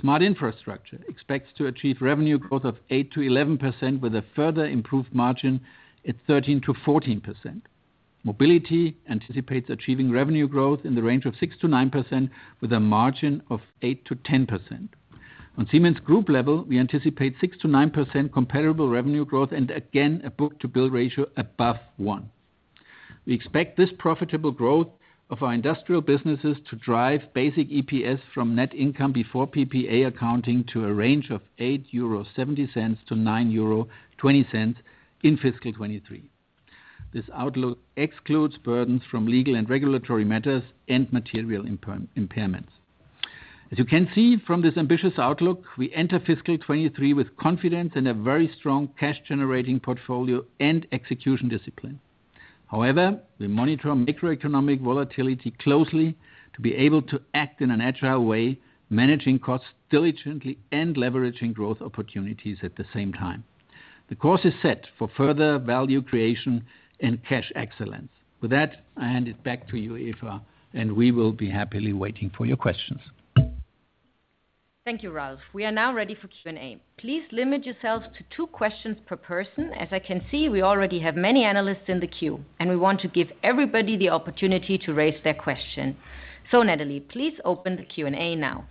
Smart Infrastructure expects to achieve revenue growth of 8%-11% with a further improved margin at 13%-14%. Mobility anticipates achieving revenue growth in the range of 6%-9% with a margin of 8%-10%. On Siemens Group level, we anticipate 6%-9% comparable revenue growth and again a book-to-bill ratio above one. We expect this profitable growth of our industrial businesses to drive basic EPS from net income before PPA accounting to a range of 8.70-9.20 euro in fiscal 2023. This outlook excludes burdens from legal and regulatory matters and material impairments. As you can see from this ambitious outlook, we enter fiscal 2023 with confidence and a very strong cash-generating portfolio and execution discipline. However, we monitor macroeconomic volatility closely to be able to act in an agile way, managing costs diligently and leveraging growth opportunities at the same time. The course is set for further value creation and cash excellence. With that, I hand it back to you, Eva, and we will be happily waiting for your questions. Thank you, Ralf. We are now ready for Q&A. Please limit yourselves to two questions per person, as I can see we already have many analysts in the queue and we want to give everybody the opportunity to raise their question. Natalie, please open the Q&A now.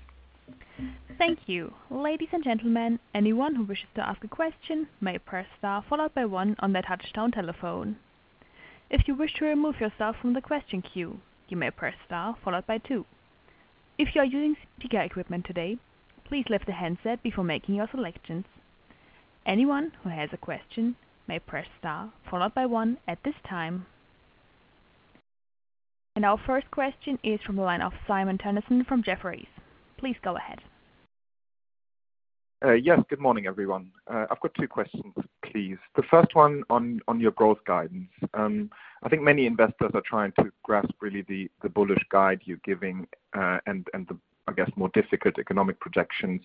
Thank you. Ladies and gentlemen, anyone who wishes to ask a question may press star, followed by one on their touch-tone telephone. If you wish to remove yourself from the question queue, you may press star, followed by two. If you are using speaker equipment today, please lift the handset before making your selections. Anyone who has a question may press star, followed by one at this time. Our first question is from the line of Simon Toennessen from Jefferies. Please go ahead. Yes, good morning, everyone. I've got two questions, please. The first one on your growth guidance. I think many investors are trying to grasp really the bullish guide you're giving and the, I guess, more difficult economic projections,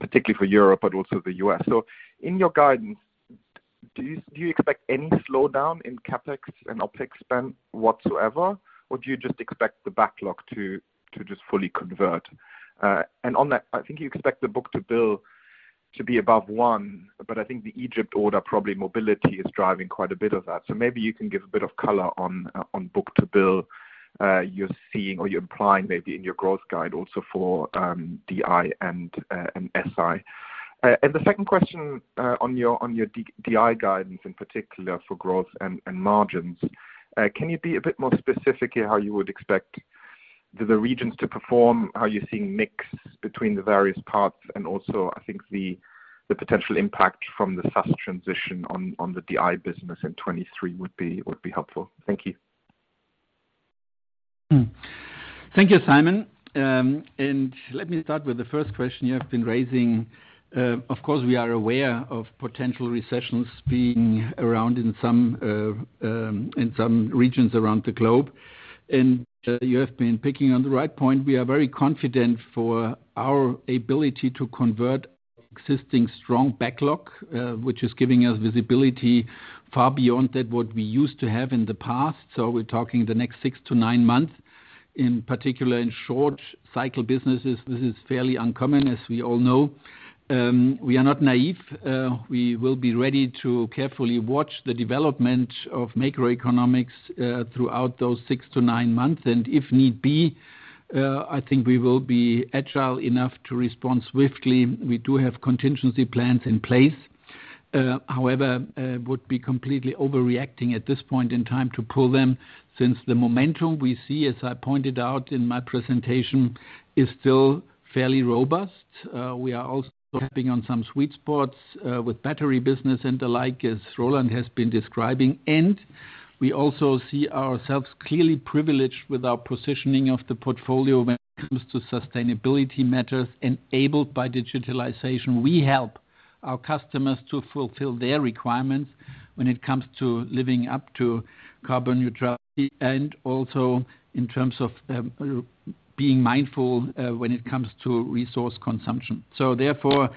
particularly for Europe, but also the U.S. In your guidance, do you expect any slowdown in CapEx and OpEx spend whatsoever, or do you just expect the backlog to just fully convert? On that, I think you expect the book-to-bill to be above one, but I think the Egypt order, probably Mobility, is driving quite a bit of that. Maybe you can give a bit of color on book-to-bill you're seeing or you're implying maybe in your growth guide also for DI and SI. The second question on your DI guidance, in particular for growth and margins, can you be a bit more specific here how you would expect the regions to perform, how you're seeing mix between the various parts, and also, I think, the potential impact from the SaaS transition on the DI business in 2023 would be helpful. Thank you. Thank you, Simon. Let me start with the first question you have been raising. Of course, we are aware of potential recessions being around in some regions around the globe. You have been picking on the right point. We are very confident for our ability to convert existing strong backlog, which is giving us visibility far beyond that what we used to have in the past. We're talking the next six to nine months. In particular, in short-cycle businesses, this is fairly uncommon, as we all know. We are not naive. We will be ready to carefully watch the development of macroeconomics throughout those six to nine months. If need be, I think we will be agile enough to respond swiftly. We do have contingency plans in place. However, I would be completely overreacting at this point in time to pull them since the momentum we see, as I pointed out in my presentation, is still fairly robust. We are also tapping on some sweet spots with battery business and the like, as Roland has been describing. We also see ourselves clearly privileged with our positioning of the portfolio when it comes to sustainability matters. Enabled by digitalization, we help our customers to fulfill their requirements when it comes to living up to carbon neutrality and also in terms of being mindful when it comes to resource consumption. Therefore,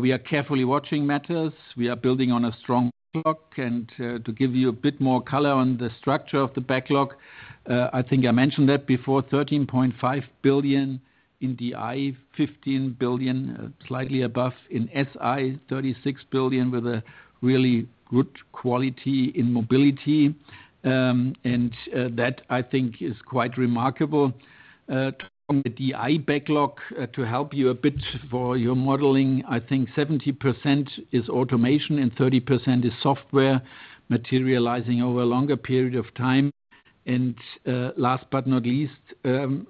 we are carefully watching matters. We are building on a strong backlog. To give you a bit more color on the structure of the backlog, I think I mentioned that before, 13.5 billion in DI, 15 billion slightly above in SI, 36 billion with a really good quality in Mobility. That, I think, is quite remarkable. Talking about the DI backlog to help you a bit for your modeling, I think 70% is automation and 30% is software materializing over a longer period of time. Last but not least,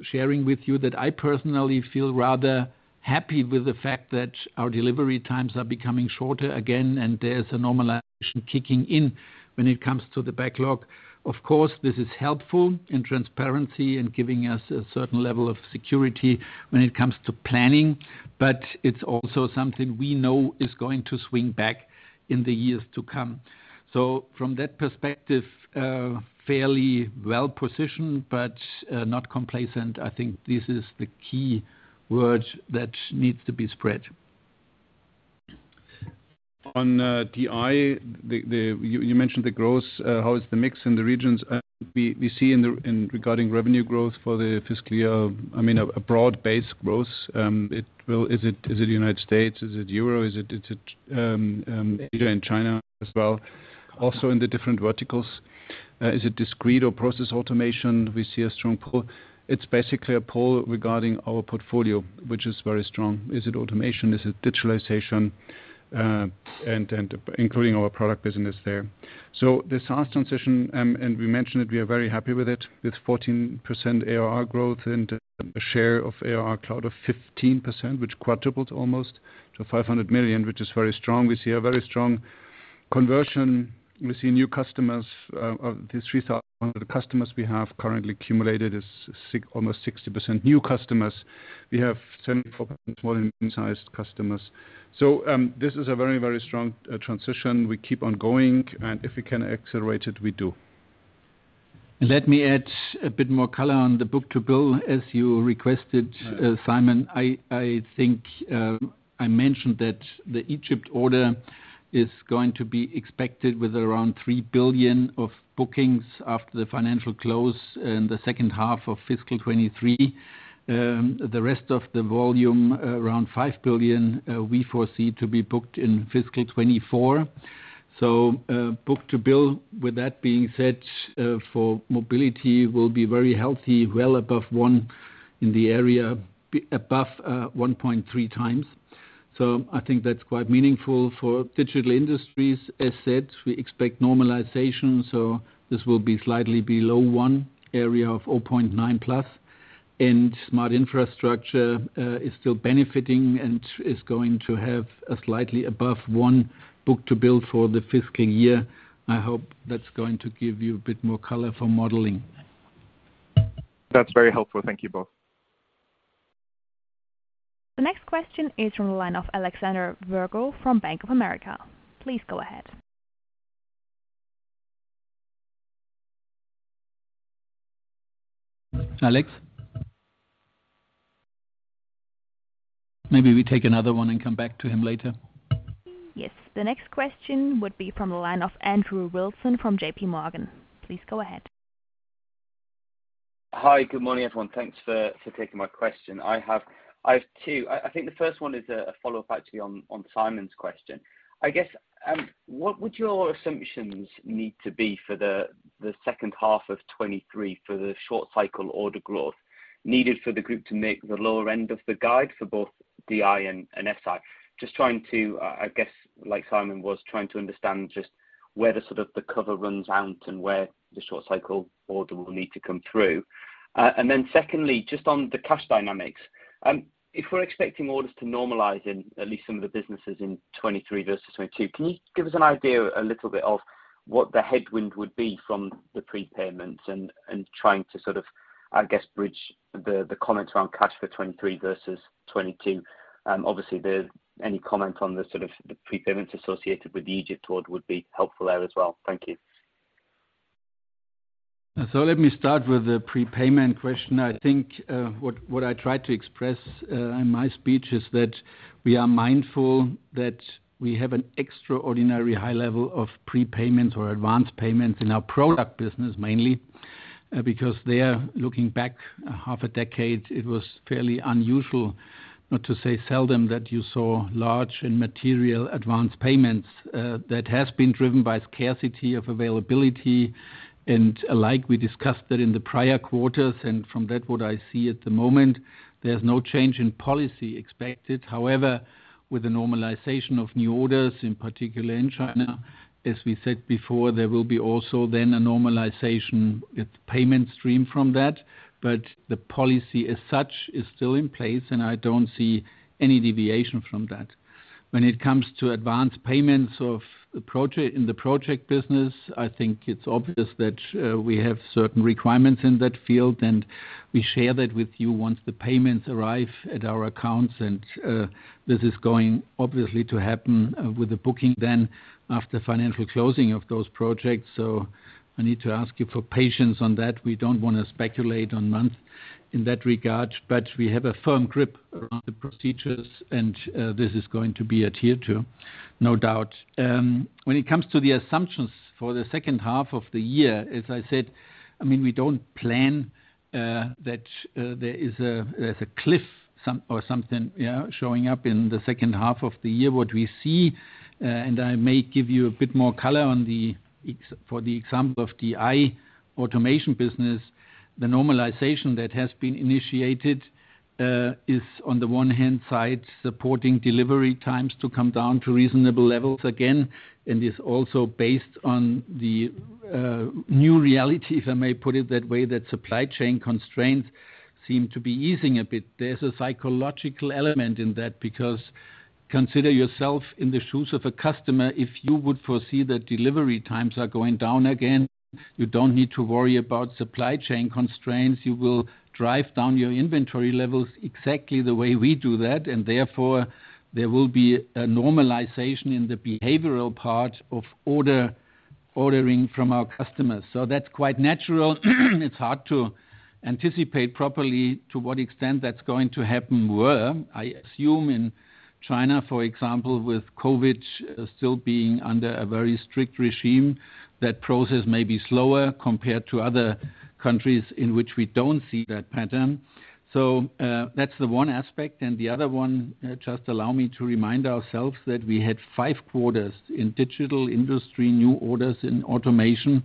sharing with you that I personally feel rather happy with the fact that our delivery times are becoming shorter again and there is a normalization kicking in when it comes to the backlog. Of course, this is helpful in transparency and giving us a certain level of security when it comes to planning, but it's also something we know is going to swing back in the years to come. From that perspective, fairly well positioned, but not complacent. I think this is the key word that needs to be spread. On DI, you mentioned the growth. How is the mix in the regions? We see regarding revenue growth for the fiscal year, I mean, a broad-based growth. Is it the United States? Is it Europe? Is it Asia and China as well? Also in the different verticals, is it discrete or Process Automation? We see a strong pull. It's basically a pull regarding our portfolio, which is very strong. Is it automation? Is it digitalization? Including our product business there. The SaaS transition, and we mentioned it, we are very happy with it, with 14% ARR growth and a share of ARR cloud of 15%, which quadrupled almost to 500 million, which is very strong. We see a very strong conversion. We see new customers. The 3,000 customers we have currently accumulated is almost 60% new customers. We have 74% small and mid-sized customers. This is a very, very strong transition. We keep on going. If we can accelerate it, we do. Let me add a bit more color on the book-to-bill. As you requested, Simon, I think I mentioned that the Egypt order is going to be expected with around 3 billion of bookings after the financial close in the second half of fiscal 2023. The rest of the volume, around 5 billion, we foresee to be booked in fiscal 2024. Book-to-bill, with that being said, for Mobility will be very healthy, well above one in the area, above 1.3x. I think that's quite meaningful for Digital Industries. As said, we expect normalization. This will be slightly below one, area of 0.9+. Smart Infrastructure is still benefiting and is going to have a slightly above one book-to-bill for the fiscal year. I hope that's going to give you a bit more color for modeling. That's very helpful. Thank you both. The next question is from the line of Alexander Virgo from Bank of America. Please go ahead. Alex? Maybe we take another one and come back to him later. Yes. The next question would be from the line of Andrew Wilson from JPMorgan. Please go ahead. Hi, good morning, everyone. Thanks for taking my question. I have two. I think the first one is a follow-up, actually, on Simon's question. I guess, what would your assumptions need to be for the second half of 2023 for the short-cycle order growth needed for the group to make the lower end of the guide for both DI and SI? Just trying to, I guess, like Simon was, trying to understand just where sort of the cover runs out and where the short-cycle order will need to come through. Secondly, just on the cash dynamics, if we're expecting orders to normalize in at least some of the businesses in 2023 versus 2022, can you give us an idea a little bit of what the headwind would be from the prepayments and trying to sort of, I guess, bridge the comments around cash for 2023 versus 2022? Obviously, any comment on the sort of the prepayments associated with the Egypt order would be helpful there as well. Thank you. Let me start with the prepayment question. I think what I tried to express in my speech is that we are mindful that we have an extraordinary high level of prepayments or advance payments in our product business mainly because there, looking back half a decade, it was fairly unusual, not to say seldom, that you saw large and material advance payments. That has been driven by scarcity of availability. Alike, we discussed that in the prior quarters. From that, what I see at the moment, there's no change in policy expected. However, with the normalization of new orders, in particular in China, as we said before, there will be also then a normalization with payment stream from that. The policy as such is still in place, and I don't see any deviation from that. When it comes to advance payments in the project business, I think it's obvious that we have certain requirements in that field, and we share that with you once the payments arrive at our accounts. This is going, obviously, to happen with the booking then after financial closing of those projects. I need to ask you for patience on that. We don't want to speculate on months in that regard. We have a firm grip on the procedures, and this is going to be adhered to, no doubt. When it comes to the assumptions for the second half of the year, as I said, I mean, we don't plan that there is a cliff or something showing up in the second half of the year. What we see, and I may give you a bit more color for the example of DI automation business, the normalization that has been initiated is, on the one-hand side, supporting delivery times to come down to reasonable levels again. It's also based on the new reality, if I may put it that way, that supply chain constraints seem to be easing a bit. There's a psychological element in that because consider yourself in the shoes of a customer. If you would foresee that delivery times are going down again, you don't need to worry about supply chain constraints. You will drive down your inventory levels exactly the way we do that. Therefore, there will be a normalization in the behavioral part of ordering from our customers. That's quite natural. It's hard to anticipate properly to what extent that's going to happen where. I assume in China, for example, with COVID-19 still being under a very strict regime, that process may be slower compared to other countries in which we don't see that pattern. That's the one aspect. The other one, just allow me to remind ourselves that we had five quarters in Digital Industries new orders in automation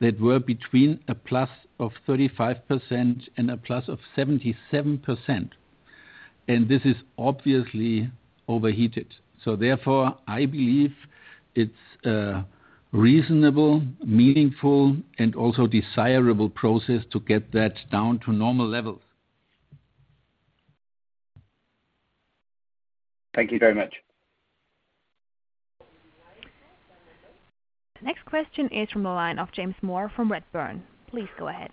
that were between a +35% and a +77%. This is obviously overheated. Therefore, I believe it's a reasonable, meaningful, and also desirable process to get that down to normal levels. Thank you very much. The next question is from the line of James Moore from Redburn. Please go ahead.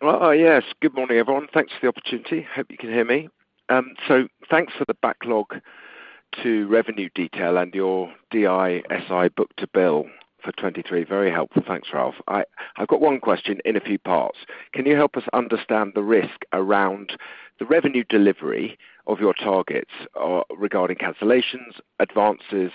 Yes. Good morning, everyone. Thanks for the opportunity. Hope you can hear me. Thanks for the backlog to revenue detail and your DI/SI book-to-bill for 2023. Very helpful. Thanks, Ralf. I've got one question in a few parts. Can you help us understand the risk around the revenue delivery of your targets regarding cancellations, advances,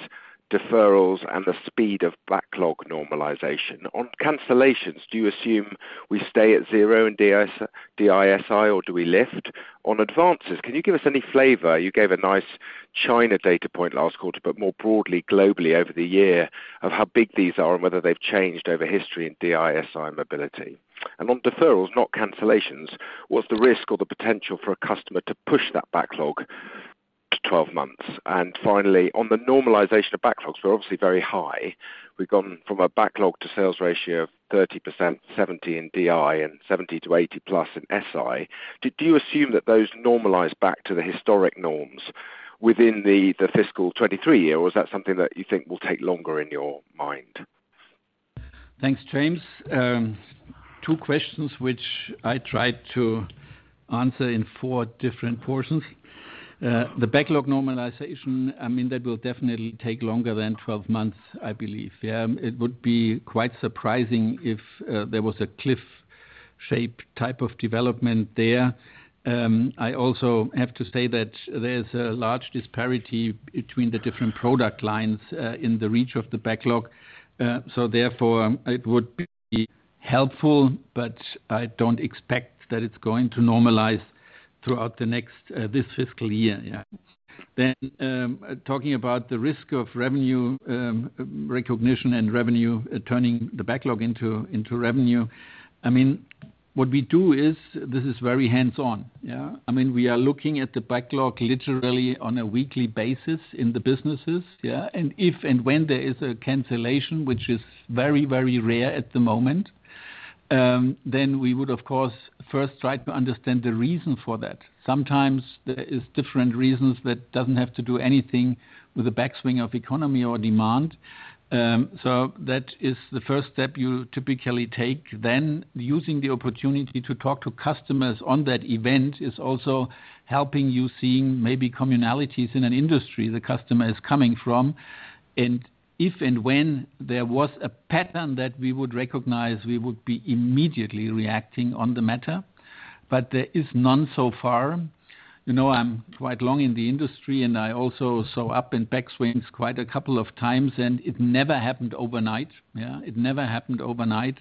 deferrals, and the speed of backlog normalization? On cancellations, do you assume we stay at zero in DI/SI, or do we lift? On advances, can you give us any flavor? You gave a nice China data point last quarter, but more broadly, globally over the year of how big these are and whether they've changed over history in DI/SI Mobility. On deferrals, not cancellations, what's the risk or the potential for a customer to push that backlog to 12 months? Finally, on the normalization of backlogs, we're obviously very high. We've gone from a backlog to sales ratio of 30%, 70% in DI, and 70%-80%+ in SI. Do you assume that those normalize back to the historic norms within the fiscal 2023 year, or is that something that you think will take longer in your mind? Thanks, James. Two questions which I tried to answer in four different portions. The backlog normalization, I mean, that will definitely take longer than 12 months, I believe. Yeah, it would be quite surprising if there was a cliff-shaped type of development there. I also have to say that there's a large disparity between the different product lines in the reach of the backlog. Therefore, it would be helpful, but I don't expect that it's going to normalize throughout this fiscal year. Yeah. Talking about the risk of revenue recognition and revenue turning the backlog into revenue, I mean, what we do is very hands-on. Yeah? I mean, we are looking at the backlog literally on a weekly basis in the businesses. Yeah? If and when there is a cancellation, which is very, very rare at the moment, then we would, of course, first try to understand the reason for that. Sometimes there are different reasons that don't have to do anything with a backswing of economy or demand. That is the first step you typically take. Using the opportunity to talk to customers on that event is also helping you see maybe commonalities in an industry the customer is coming from. If and when there was a pattern that we would recognize, we would be immediately reacting on the matter. There is none so far. You know, I'm quite long in the industry, and I also saw up in backswings quite a couple of times, and it never happened overnight. Yeah? It never happened overnight.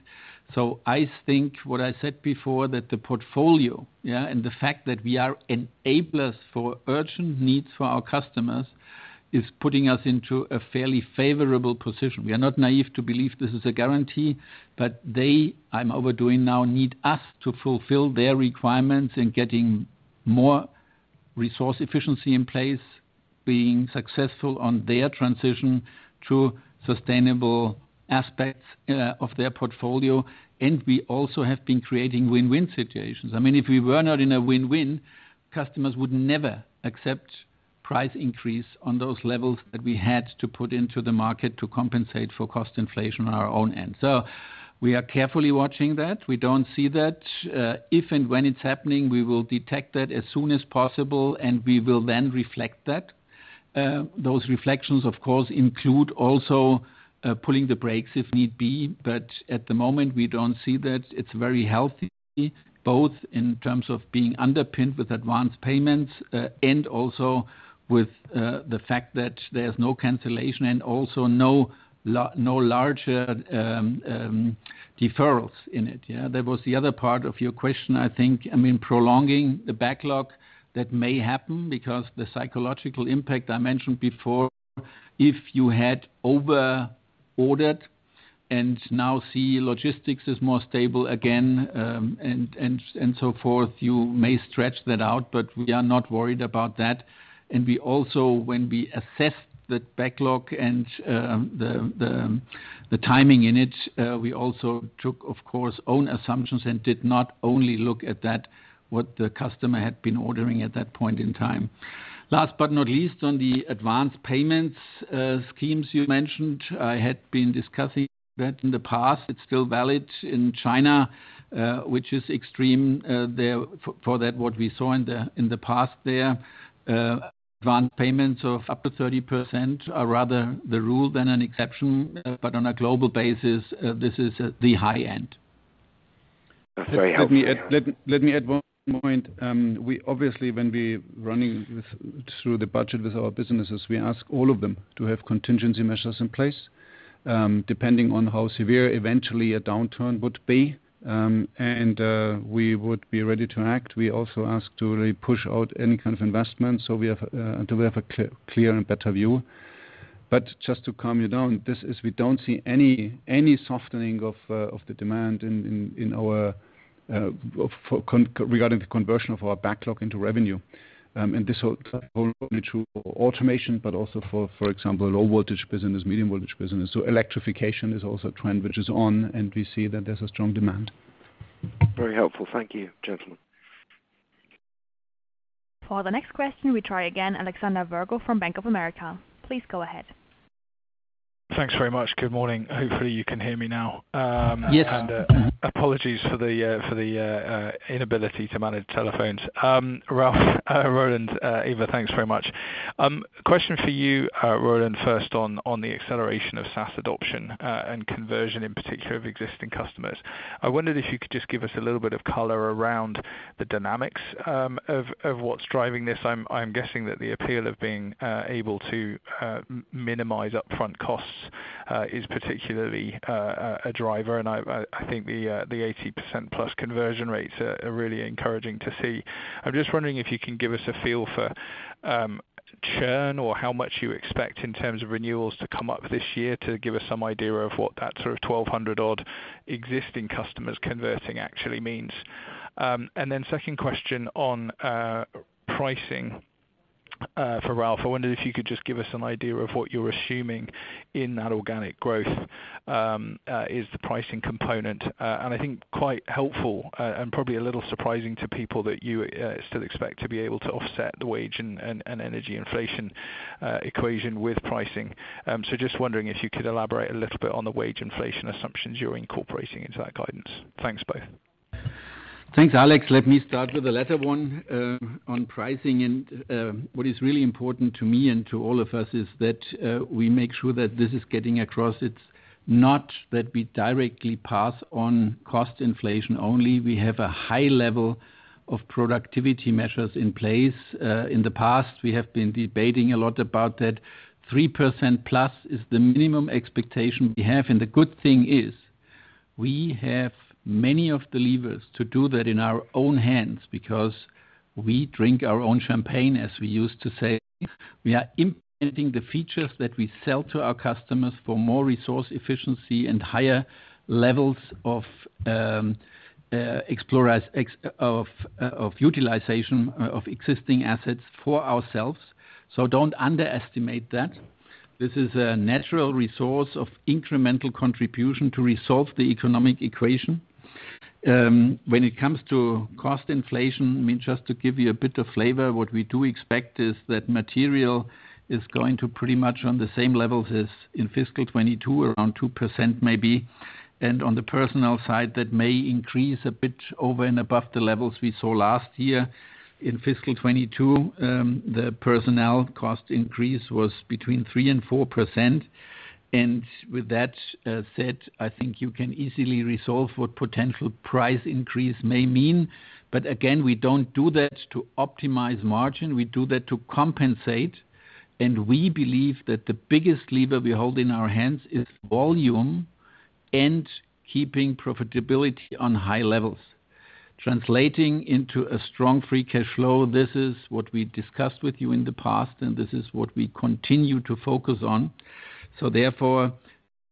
I think what I said before, that the portfolio, yeah, and the fact that we are enablers for urgent needs for our customers is putting us into a fairly favorable position. We are not naive to believe this is a guarantee, but they, I'm overdoing now, need us to fulfill their requirements in getting more resource efficiency in place, being successful on their transition to sustainable aspects of their portfolio. We also have been creating win-win situations. I mean, if we were not in a win-win, customers would never accept price increase on those levels that we had to put into the market to compensate for cost inflation on our own end. We are carefully watching that. We don't see that. If and when it's happening, we will detect that as soon as possible, and we will then reflect that. Those reflections, of course, include also pulling the brakes if need be. At the moment, we don't see that. It's very healthy, both in terms of being underpinned with advance payments and also with the fact that there's no cancellation and also no larger deferrals in it. Yeah? That was the other part of your question, I think. I mean, prolonging the backlog, that may happen because the psychological impact I mentioned before, if you had overordered and now see logistics is more stable again and so forth, you may stretch that out. We are not worried about that. We also, when we assessed the backlog and the timing in it, we also took, of course, own assumptions and did not only look at what the customer had been ordering at that point in time. Last but not least, on the advance payments schemes you mentioned, I had been discussing that in the past. It's still valid in China, which is extreme there for that, what we saw in the past there. Advance payments of up to 30% are rather the rule than an exception. On a global basis, this is the high end. That's very helpful. Let me add one point. Obviously, when we're running through the budget with our businesses, we ask all of them to have contingency measures in place, depending on how severe eventually a downturn would be. We would be ready to act. We also ask to really push out any kind of investment so we have until we have a clearer and better view. Just to calm you down, we don't see any softening of the demand regarding the conversion of our backlog into revenue. This holds only true for automation, but also for example, low-voltage business, medium-voltage business. Electrification is also a trend which is on, and we see that there's a strong demand. Very helpful. Thank you, gentlemen. For the next question, we try again Alexander Virgo from Bank of America. Please go ahead. Thanks very much. Good morning. Hopefully, you can hear me now. Yes. Apologies for the inability to manage telephones. Ralf, Roland, Eva, thanks very much. Question for you, Roland, first on the acceleration of SaaS adoption and conversion in particular of existing customers. I wondered if you could just give us a little bit of color around the dynamics of what's driving this. I'm guessing that the appeal of being able to minimize upfront costs is particularly a driver. I think the 80%+ conversion rates are really encouraging to see. I'm just wondering if you can give us a feel for churn or how much you expect in terms of renewals to come up this year to give us some idea of what that sort of 1,200-odd existing customers converting actually means. Second question on pricing for Ralf. I wondered if you could just give us an idea of what you're assuming in that organic growth is the pricing component. I think quite helpful and probably a little surprising to people that you still expect to be able to offset the wage and energy inflation equation with pricing. Just wondering if you could elaborate a little bit on the wage inflation assumptions you're incorporating into that guidance. Thanks both. Thanks, Alex. Let me start with the latter one on pricing. What is really important to me and to all of us is that we make sure that this is getting across. It's not that we directly pass on cost inflation only. We have a high level of productivity measures in place. In the past, we have been debating a lot about that. 3%+ is the minimum expectation we have. The good thing is we have many of the levers to do that in our own hands because we drink our own champagne, as we used to say. We are implementing the features that we sell to our customers for more resource efficiency and higher levels of utilization of existing assets for ourselves. Don't underestimate that. This is a natural resource of incremental contribution to resolve the economic equation. When it comes to cost inflation, I mean, just to give you a bit of flavor, what we do expect is that material is going to pretty much on the same levels as in fiscal 2022, around 2% maybe. On the personnel side, that may increase a bit over and above the levels we saw last year. In fiscal 2022, the personnel cost increase was between 3% and 4%. With that said, I think you can easily resolve what potential price increase may mean. Again, we don't do that to optimize margin. We do that to compensate. We believe that the biggest lever we hold in our hands is volume and keeping profitability on high levels. Translating into a strong free cash flow, this is what we discussed with you in the past, and this is what we continue to focus on. So therefore,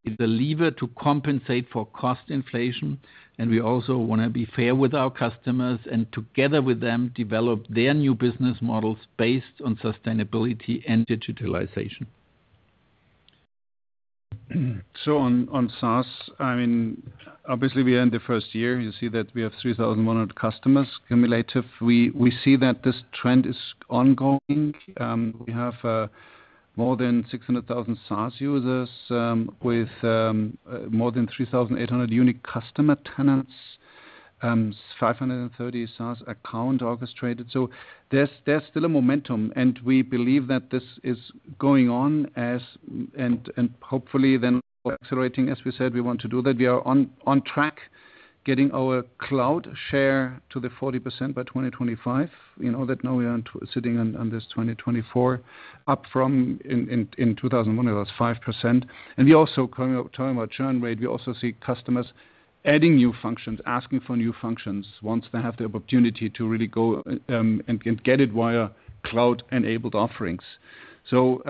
it's a lever to compensate for cost inflation. And we also want to be fair with our customers and together with them develop their new business models based on sustainability and digitalisation. So on SaaS, I mean, obviously, we are in the first year. You see that we have 3,100 customers cumulative. We see that this trend is ongoing. We have more than 600,000 SaaS users with more than 3,800 unique customer tenants, 530 SaaS accounts orchestrated. So there's still a momentum. And we believe that this is going on and hopefully then accelerating. As we said, we want to do that. We are on track getting our cloud share to the 40% by 2025. You know that now we are sitting on this 2024 up from in 2001, it was 5%. We also talking about churn rate, we also see customers adding new functions, asking for new functions once they have the opportunity to really go and get it via cloud-enabled offerings. As you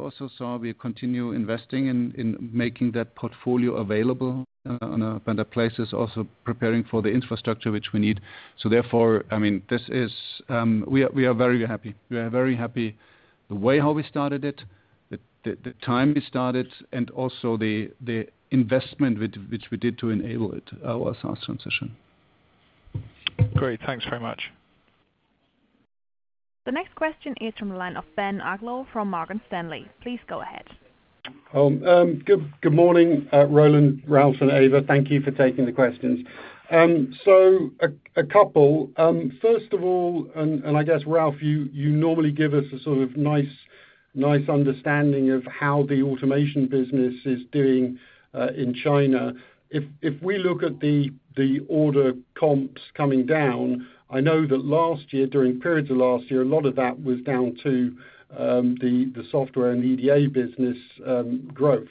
also saw, we continue investing in making that portfolio available on a better places, also preparing for the infrastructure which we need. Therefore, I mean, we are very happy. We are very happy the way how we started it, the time we started, and also the investment which we did to enable our SaaS transition. Great. Thanks very much. The next question is from the line of Ben Uglow from Morgan Stanley. Please go ahead. Good morning, Roland, Ralf, and Eva. Thank you for taking the questions. A couple. First of all, and I guess, Ralf, you normally give us a sort of nice understanding of how the automation business is doing in China. If we look at the order comps coming down, I know that last year, during periods of last year, a lot of that was down to the software and EDA business growth.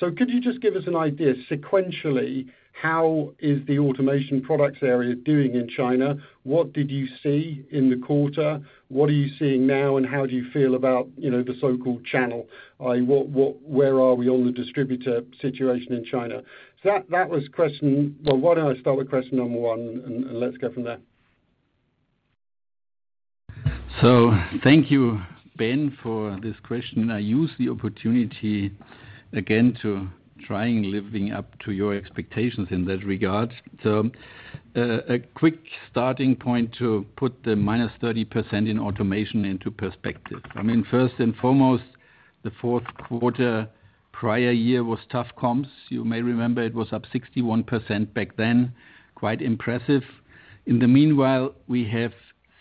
Could you just give us an idea sequentially how is the automation products area doing in China? What did you see in the quarter? What are you seeing now, and how do you feel about the so-called channel? Where are we on the distributor situation in China? Well, why don't I start with question number one, and let's go from there. Thank you, Ben, for this question. I use the opportunity again to try and live up to your expectations in that regard. A quick starting point to put the -30% in automation into perspective. I mean, first and foremost, the fourth quarter prior year was tough comps. You may remember it was up 61% back then. Quite impressive. In the meanwhile, we have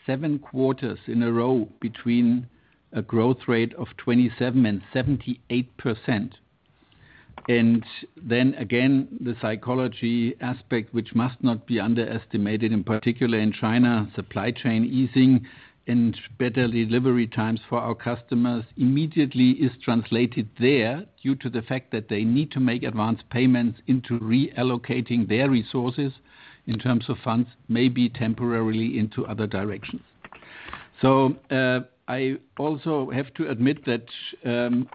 seven quarters in a row between a growth rate of 27% and 78%. The psychology aspect, which must not be underestimated, in particular in China, supply chain easing and better delivery times for our customers immediately is translated there due to the fact that they need to make advance payments into reallocating their resources in terms of funds, maybe temporarily into other directions. I also have to admit that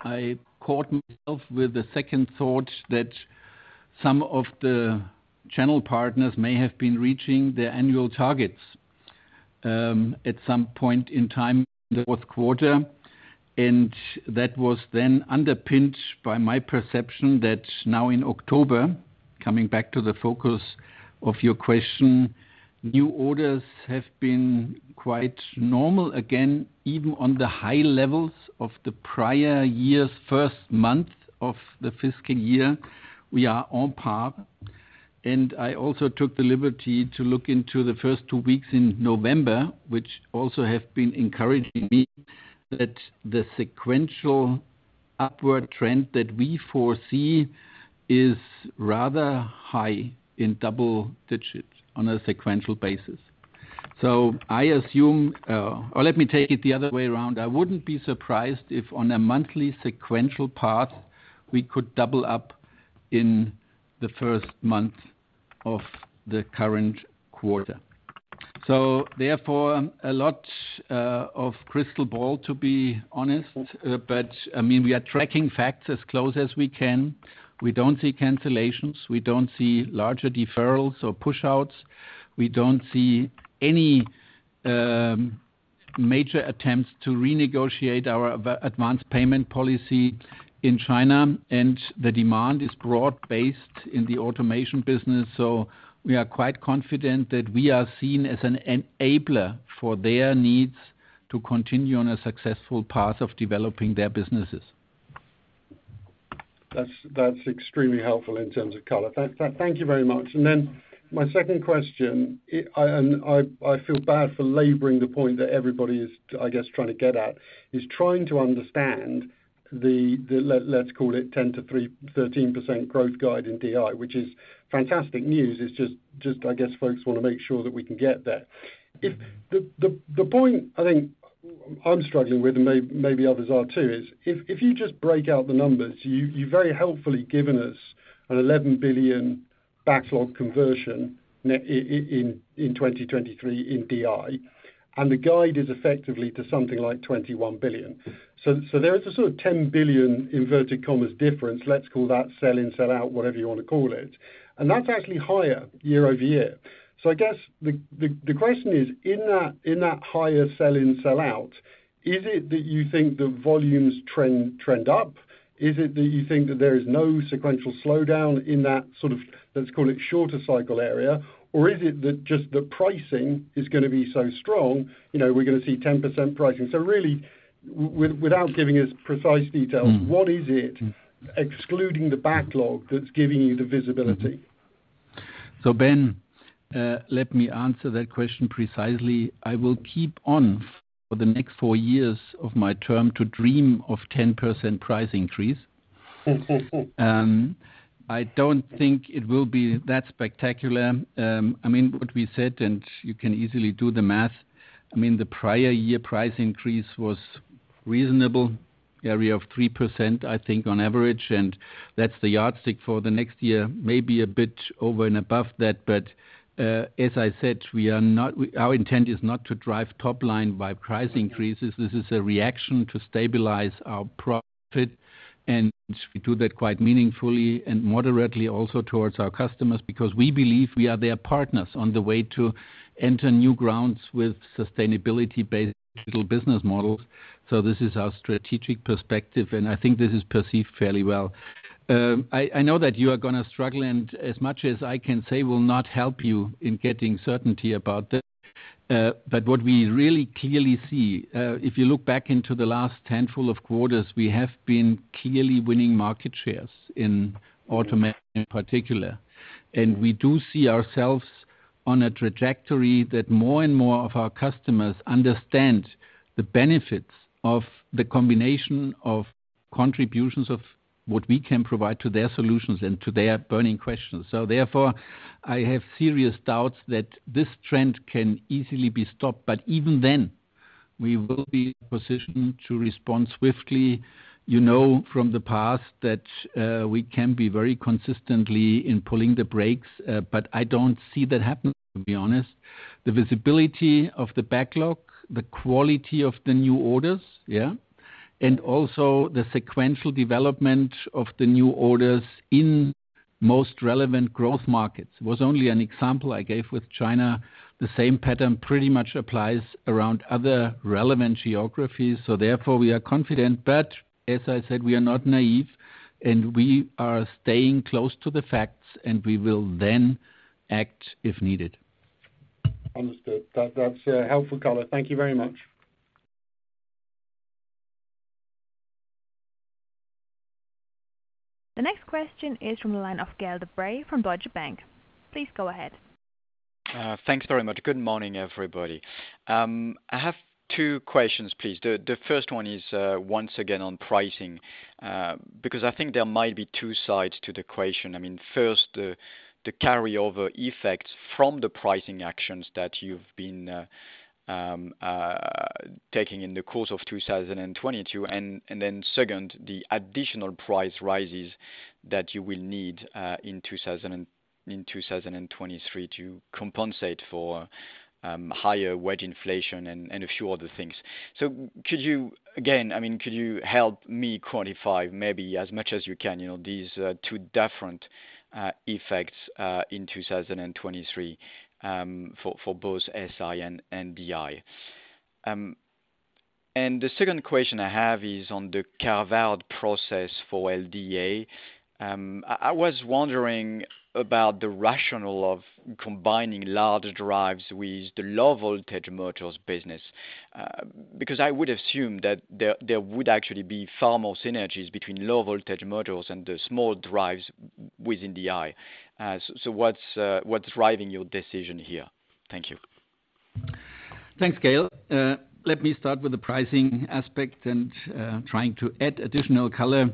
I caught myself with the second thought that some of the channel partners may have been reaching their annual targets at some point in time in the fourth quarter. That was then underpinned by my perception that now in October, coming back to the focus of your question, new orders have been quite normal again, even on the high levels of the prior year's first month of the fiscal year. We are on par. I also took the liberty to look into the first two weeks in November, which also have been encouraging me, that the sequential upward trend that we foresee is rather high in double-digit on a sequential basis. I assume or let me take it the other way around. I wouldn't be surprised if on a monthly sequential path we could double up in the first month of the current quarter. Therefore, a lot of crystal ball to be honest. I mean, we are tracking facts as close as we can. We don't see cancellations. We don't see larger deferrals or push-outs. We don't see any major attempts to renegotiate our advance payment policy in China. The demand is broad-based in the automation business. We are quite confident that we are seen as an enabler for their needs to continue on a successful path of developing their businesses. That's extremely helpful in terms of color. Thank you very much. My second question, and I feel bad for laboring the point that everybody is, I guess, trying to get at, is trying to understand the, let's call it, 10%-13% growth guide in DI, which is fantastic news. It's just, I guess, folks want to make sure that we can get there. The point, I think, I'm struggling with, and maybe others are too, is if you just break out the numbers, you've very helpfully given us an 11 billion backlog conversion net in 2023 in DI, and the guide is effectively to something like 21 billion. There is a sort of 10 billion inverted commas difference, let's call that sell in, sell out, whatever you want to call it. That's actually higher year-over-year. I guess the question is, in that higher sell in, sell out, is it that you think the volumes trend up? Is it that you think that there is no sequential slowdown in that sort of, let's call it, shorter cycle area? Is it that just the pricing is going to be so strong, we're going to see 10% pricing? Really, without giving us precise details, what is it excluding the backlog that's giving you the visibility? Ben, let me answer that question precisely. I will keep on for the next four years of my term to dream of 10% price increase. I don't think it will be that spectacular. I mean, what we said, and you can easily do the math, I mean, the prior year price increase was reasonable, area of 3%, I think, on average. That's the yardstick for the next year, maybe a bit over and above that. As I said, our intent is not to drive top-line price increases. This is a reaction to stabilize our profit. We do that quite meaningfully and moderately also towards our customers because we believe we are their partners on the way to enter new grounds with sustainability-based digital business models. This is our strategic perspective. I think this is perceived fairly well. I know that you are going to struggle, and as much as I can say, will not help you in getting certainty about this. What we really clearly see, if you look back into the last handful of quarters, we have been clearly winning market shares in automation in particular. We do see ourselves on a trajectory that more and more of our customers understand the benefits of the combination of contributions of what we can provide to their solutions and to their burning questions. Therefore, I have serious doubts that this trend can easily be stopped. Even then, we will be in a position to respond swiftly. You know from the past that we can be very consistently in pulling the brakes, but I don't see that happening, to be honest. The visibility of the backlog, the quality of the new orders, yeah, and also the sequential development of the new orders in most relevant growth markets. It was only an example I gave with China. The same pattern pretty much applies around other relevant geographies. Therefore, we are confident. As I said, we are not naive, and we are staying close to the facts, and we will then act if needed. Understood. That's helpful color. Thank you very much. The next question is from the line of Gael de-Bray from Deutsche Bank. Please go ahead. Thanks very much. Good morning, everybody. I have two questions, please. The first one is once again on pricing because I think there might be two sides to the question. I mean, first, the carryover effects from the pricing actions that you've been taking in the course of 2022, and then second, the additional price rises that you will need in 2023 to compensate for higher wage inflation and a few other things. Could you, again, I mean, could you help me quantify maybe as much as you can these two different effects in 2023 for both SI and DI? The second question I have is on the carve-out process for LDA. I was wondering about the rationale of combining large drives with the low-voltage motors business because I would assume that there would actually be far more synergies between low-voltage motors and the small drives within DI. What's driving your decision here? Thank you. Thanks, Gael. Let me start with the pricing aspect and trying to add additional color.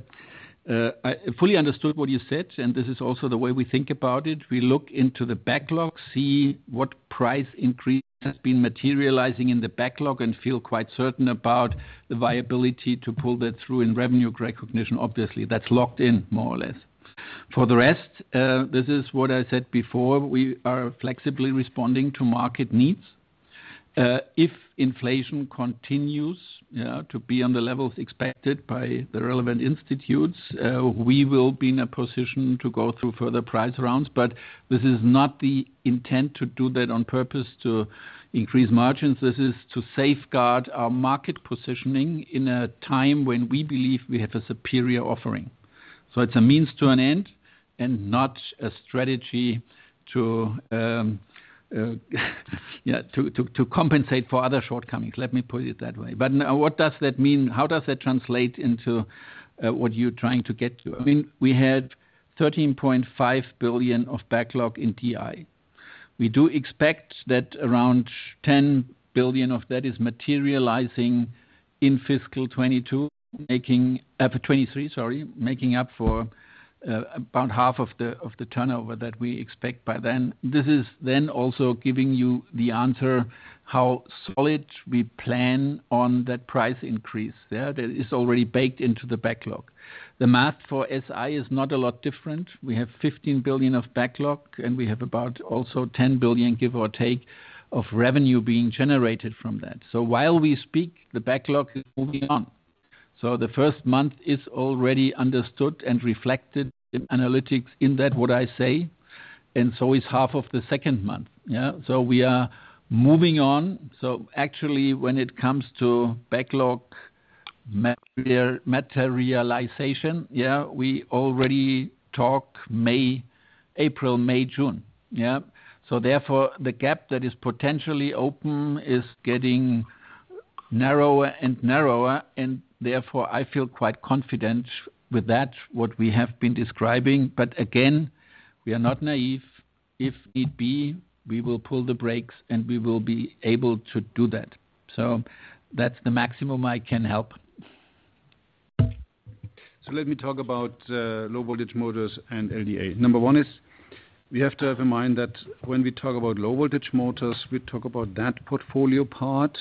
I fully understood what you said, and this is also the way we think about it. We look into the backlog, see what price increase has been materializing in the backlog, and feel quite certain about the viability to pull that through in revenue recognition. Obviously, that's locked in more or less. For the rest, this is what I said before. We are flexibly responding to market needs. If inflation continues to be on the levels expected by the relevant institutes, we will be in a position to go through further price rounds. This is not the intent to do that on purpose to increase margins. This is to safeguard our market positioning in a time when we believe we have a superior offering. It's a means to an end and not a strategy to compensate for other shortcomings. Let me put it that way. What does that mean? How does that translate into what you're trying to get to? I mean, we had 13.5 billion of backlog in DI. We do expect that around 10 billion of that is materializing in fiscal 2022, making up for about half of the turnover that we expect by then. This is then also giving you the answer how solid we plan on that price increase. That is already baked into the backlog. The math for SI is not a lot different. We have 15 billion of backlog, and we have about also 10 billion, give or take, of revenue being generated from that. While we speak, the backlog is moving on. The first month is already understood and reflected in analytics in that, what I say. Is half of the second month. Yeah, so we are moving on. Actually, when it comes to backlog materialization, yeah, we already talk May, April, May, June. Therefore, the gap that is potentially open is getting narrower and narrower, and therefore I feel quite confident with that, what we have been describing. Again, we are not naive. If need be, we will pull the brakes, and we will be able to do that. That's the maximum I can help. Let me talk about low-voltage motors and LDA. Number one is we have to have in mind that when we talk about low-voltage motors, we talk about that portfolio part,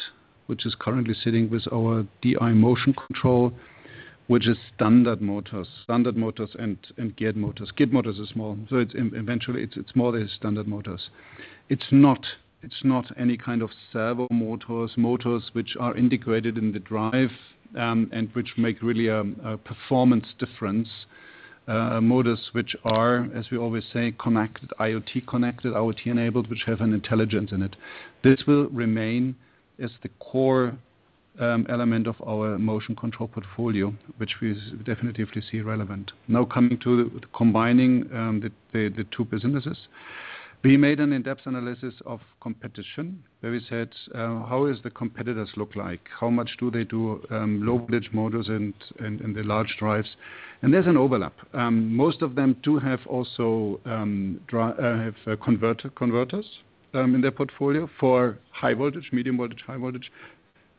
which is currently sitting with our DI Motion Control, which is standard motors and geared motors. Geared motors are small. Eventually, it's more than standard motors. It's not any kind of servo motors which are integrated in the drive and which make really a performance difference, motors which are, as we always say, IoT connected, IoT enabled, which have an intelligence in it. This will remain as the core element of our Motion Control portfolio, which we definitively see relevant. Now coming to combining the two businesses, we made an in-depth analysis of competition where we said, how do the competitors look like? How much do they do low-voltage motors and the large drives? There's an overlap. Most of them do have also converters in their portfolio for high voltage, medium voltage,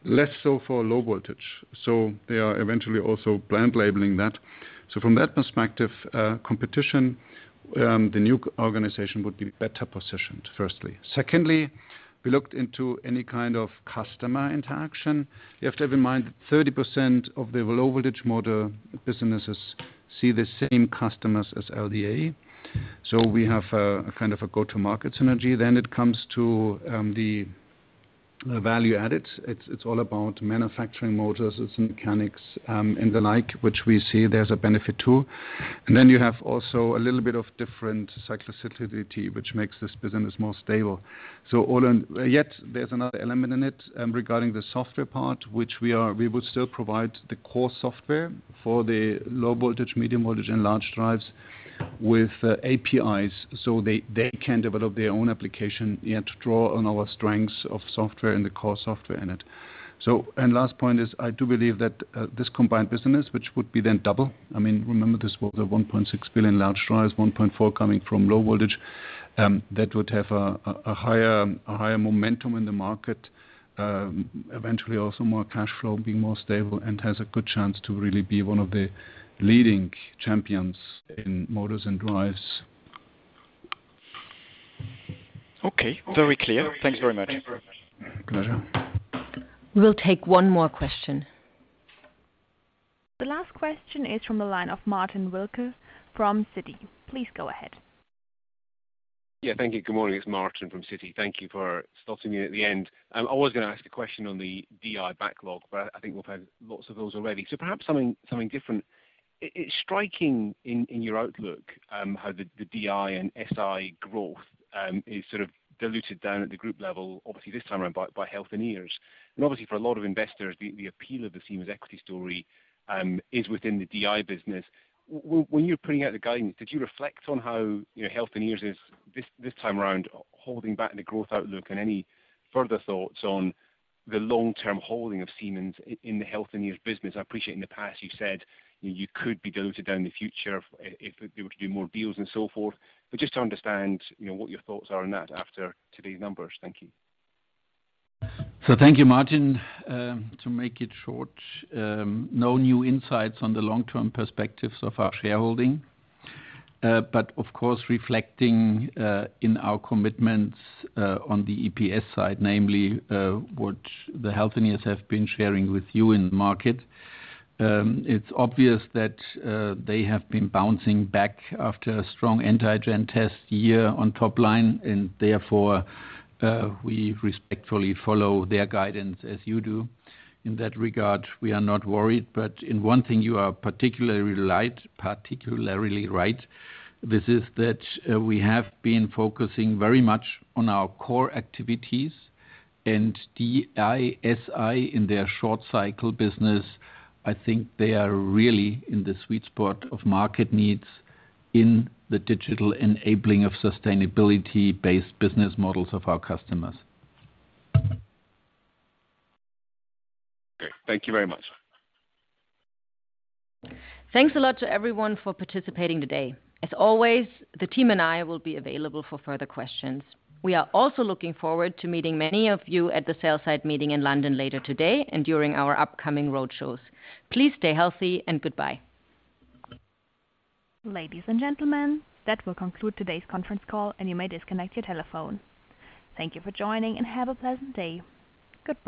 less so for low voltage. They are eventually also brand labeling that. From that perspective, competition, the new organization would be better positioned, firstly. Secondly, we looked into any kind of customer interaction. You have to have in mind that 30% of the low-voltage motor businesses see the same customers as LDA. We have a kind of a go-to-market synergy. It comes to the value added. It's all about manufacturing motors, its mechanics, and the like, which we see there's a benefit to. You have also a little bit of different cyclicity, which makes this business more stable. There's another element in it regarding the software part, which we would still provide the core software for the low voltage, medium voltage, and large drives with APIs so they can develop their own application to draw on our strengths of software and the core software in it. Last point is I do believe that this combined business, which would be then double, I mean, remember this was a 1.6 billion large drives, 1.4 billion coming from low voltage, that would have a higher momentum in the market, eventually also more cash flow being more stable, and has a good chance to really be one of the leading champions in motors and drives. Okay. Very clear. Thanks very much. Pleasure. We will take one more question. The last question is from the line of Martin Wilkie from Citi. Please go ahead. Yeah, thank you. Good morning. It's Martin from Citi. Thank you for stopping me at the end. I was going to ask a question on the DI backlog, but I think we've had lots of those already. Perhaps something different. It's striking in your outlook how the DI and SI growth is sort of diluted down at the group level, obviously this time around by Healthineers. Obviously, for a lot of investors, the appeal of the Siemens equity story is within the DI business. When you were putting out the guidance, did you reflect on how Healthineers is this time around holding back the growth outlook and any further thoughts on the long-term holding of Siemens in the Healthineers business? I appreciate in the past you said you could be diluted down in the future if they were to do more deals and so forth, but just to understand what your thoughts are on that after today's numbers. Thank you. Thank you, Martin. To make it short, no new insights on the long-term perspectives of our shareholding. Of course, reflecting in our commitments on the EPS side, namely what the Healthineers have been sharing with you in the market, it's obvious that they have been bouncing back after a strong antigen test year on top line, and therefore we respectfully follow their guidance as you do. In that regard, we are not worried. In one thing you are particularly right, this is that we have been focusing very much on our core activities. DI, SI, in their short-cycle business, I think they are really in the sweet spot of market needs in the digital enabling of sustainability-based business models of our customers. Okay. Thank you very much. Thanks a lot to everyone for participating today. As always, the team and I will be available for further questions. We are also looking forward to meeting many of you at the sell-side meeting in London later today and during our upcoming roadshows. Please stay healthy and goodbye. Ladies and gentlemen, that will conclude today's conference call, and you may disconnect your telephone. Thank you for joining and have a pleasant day. Goodbye.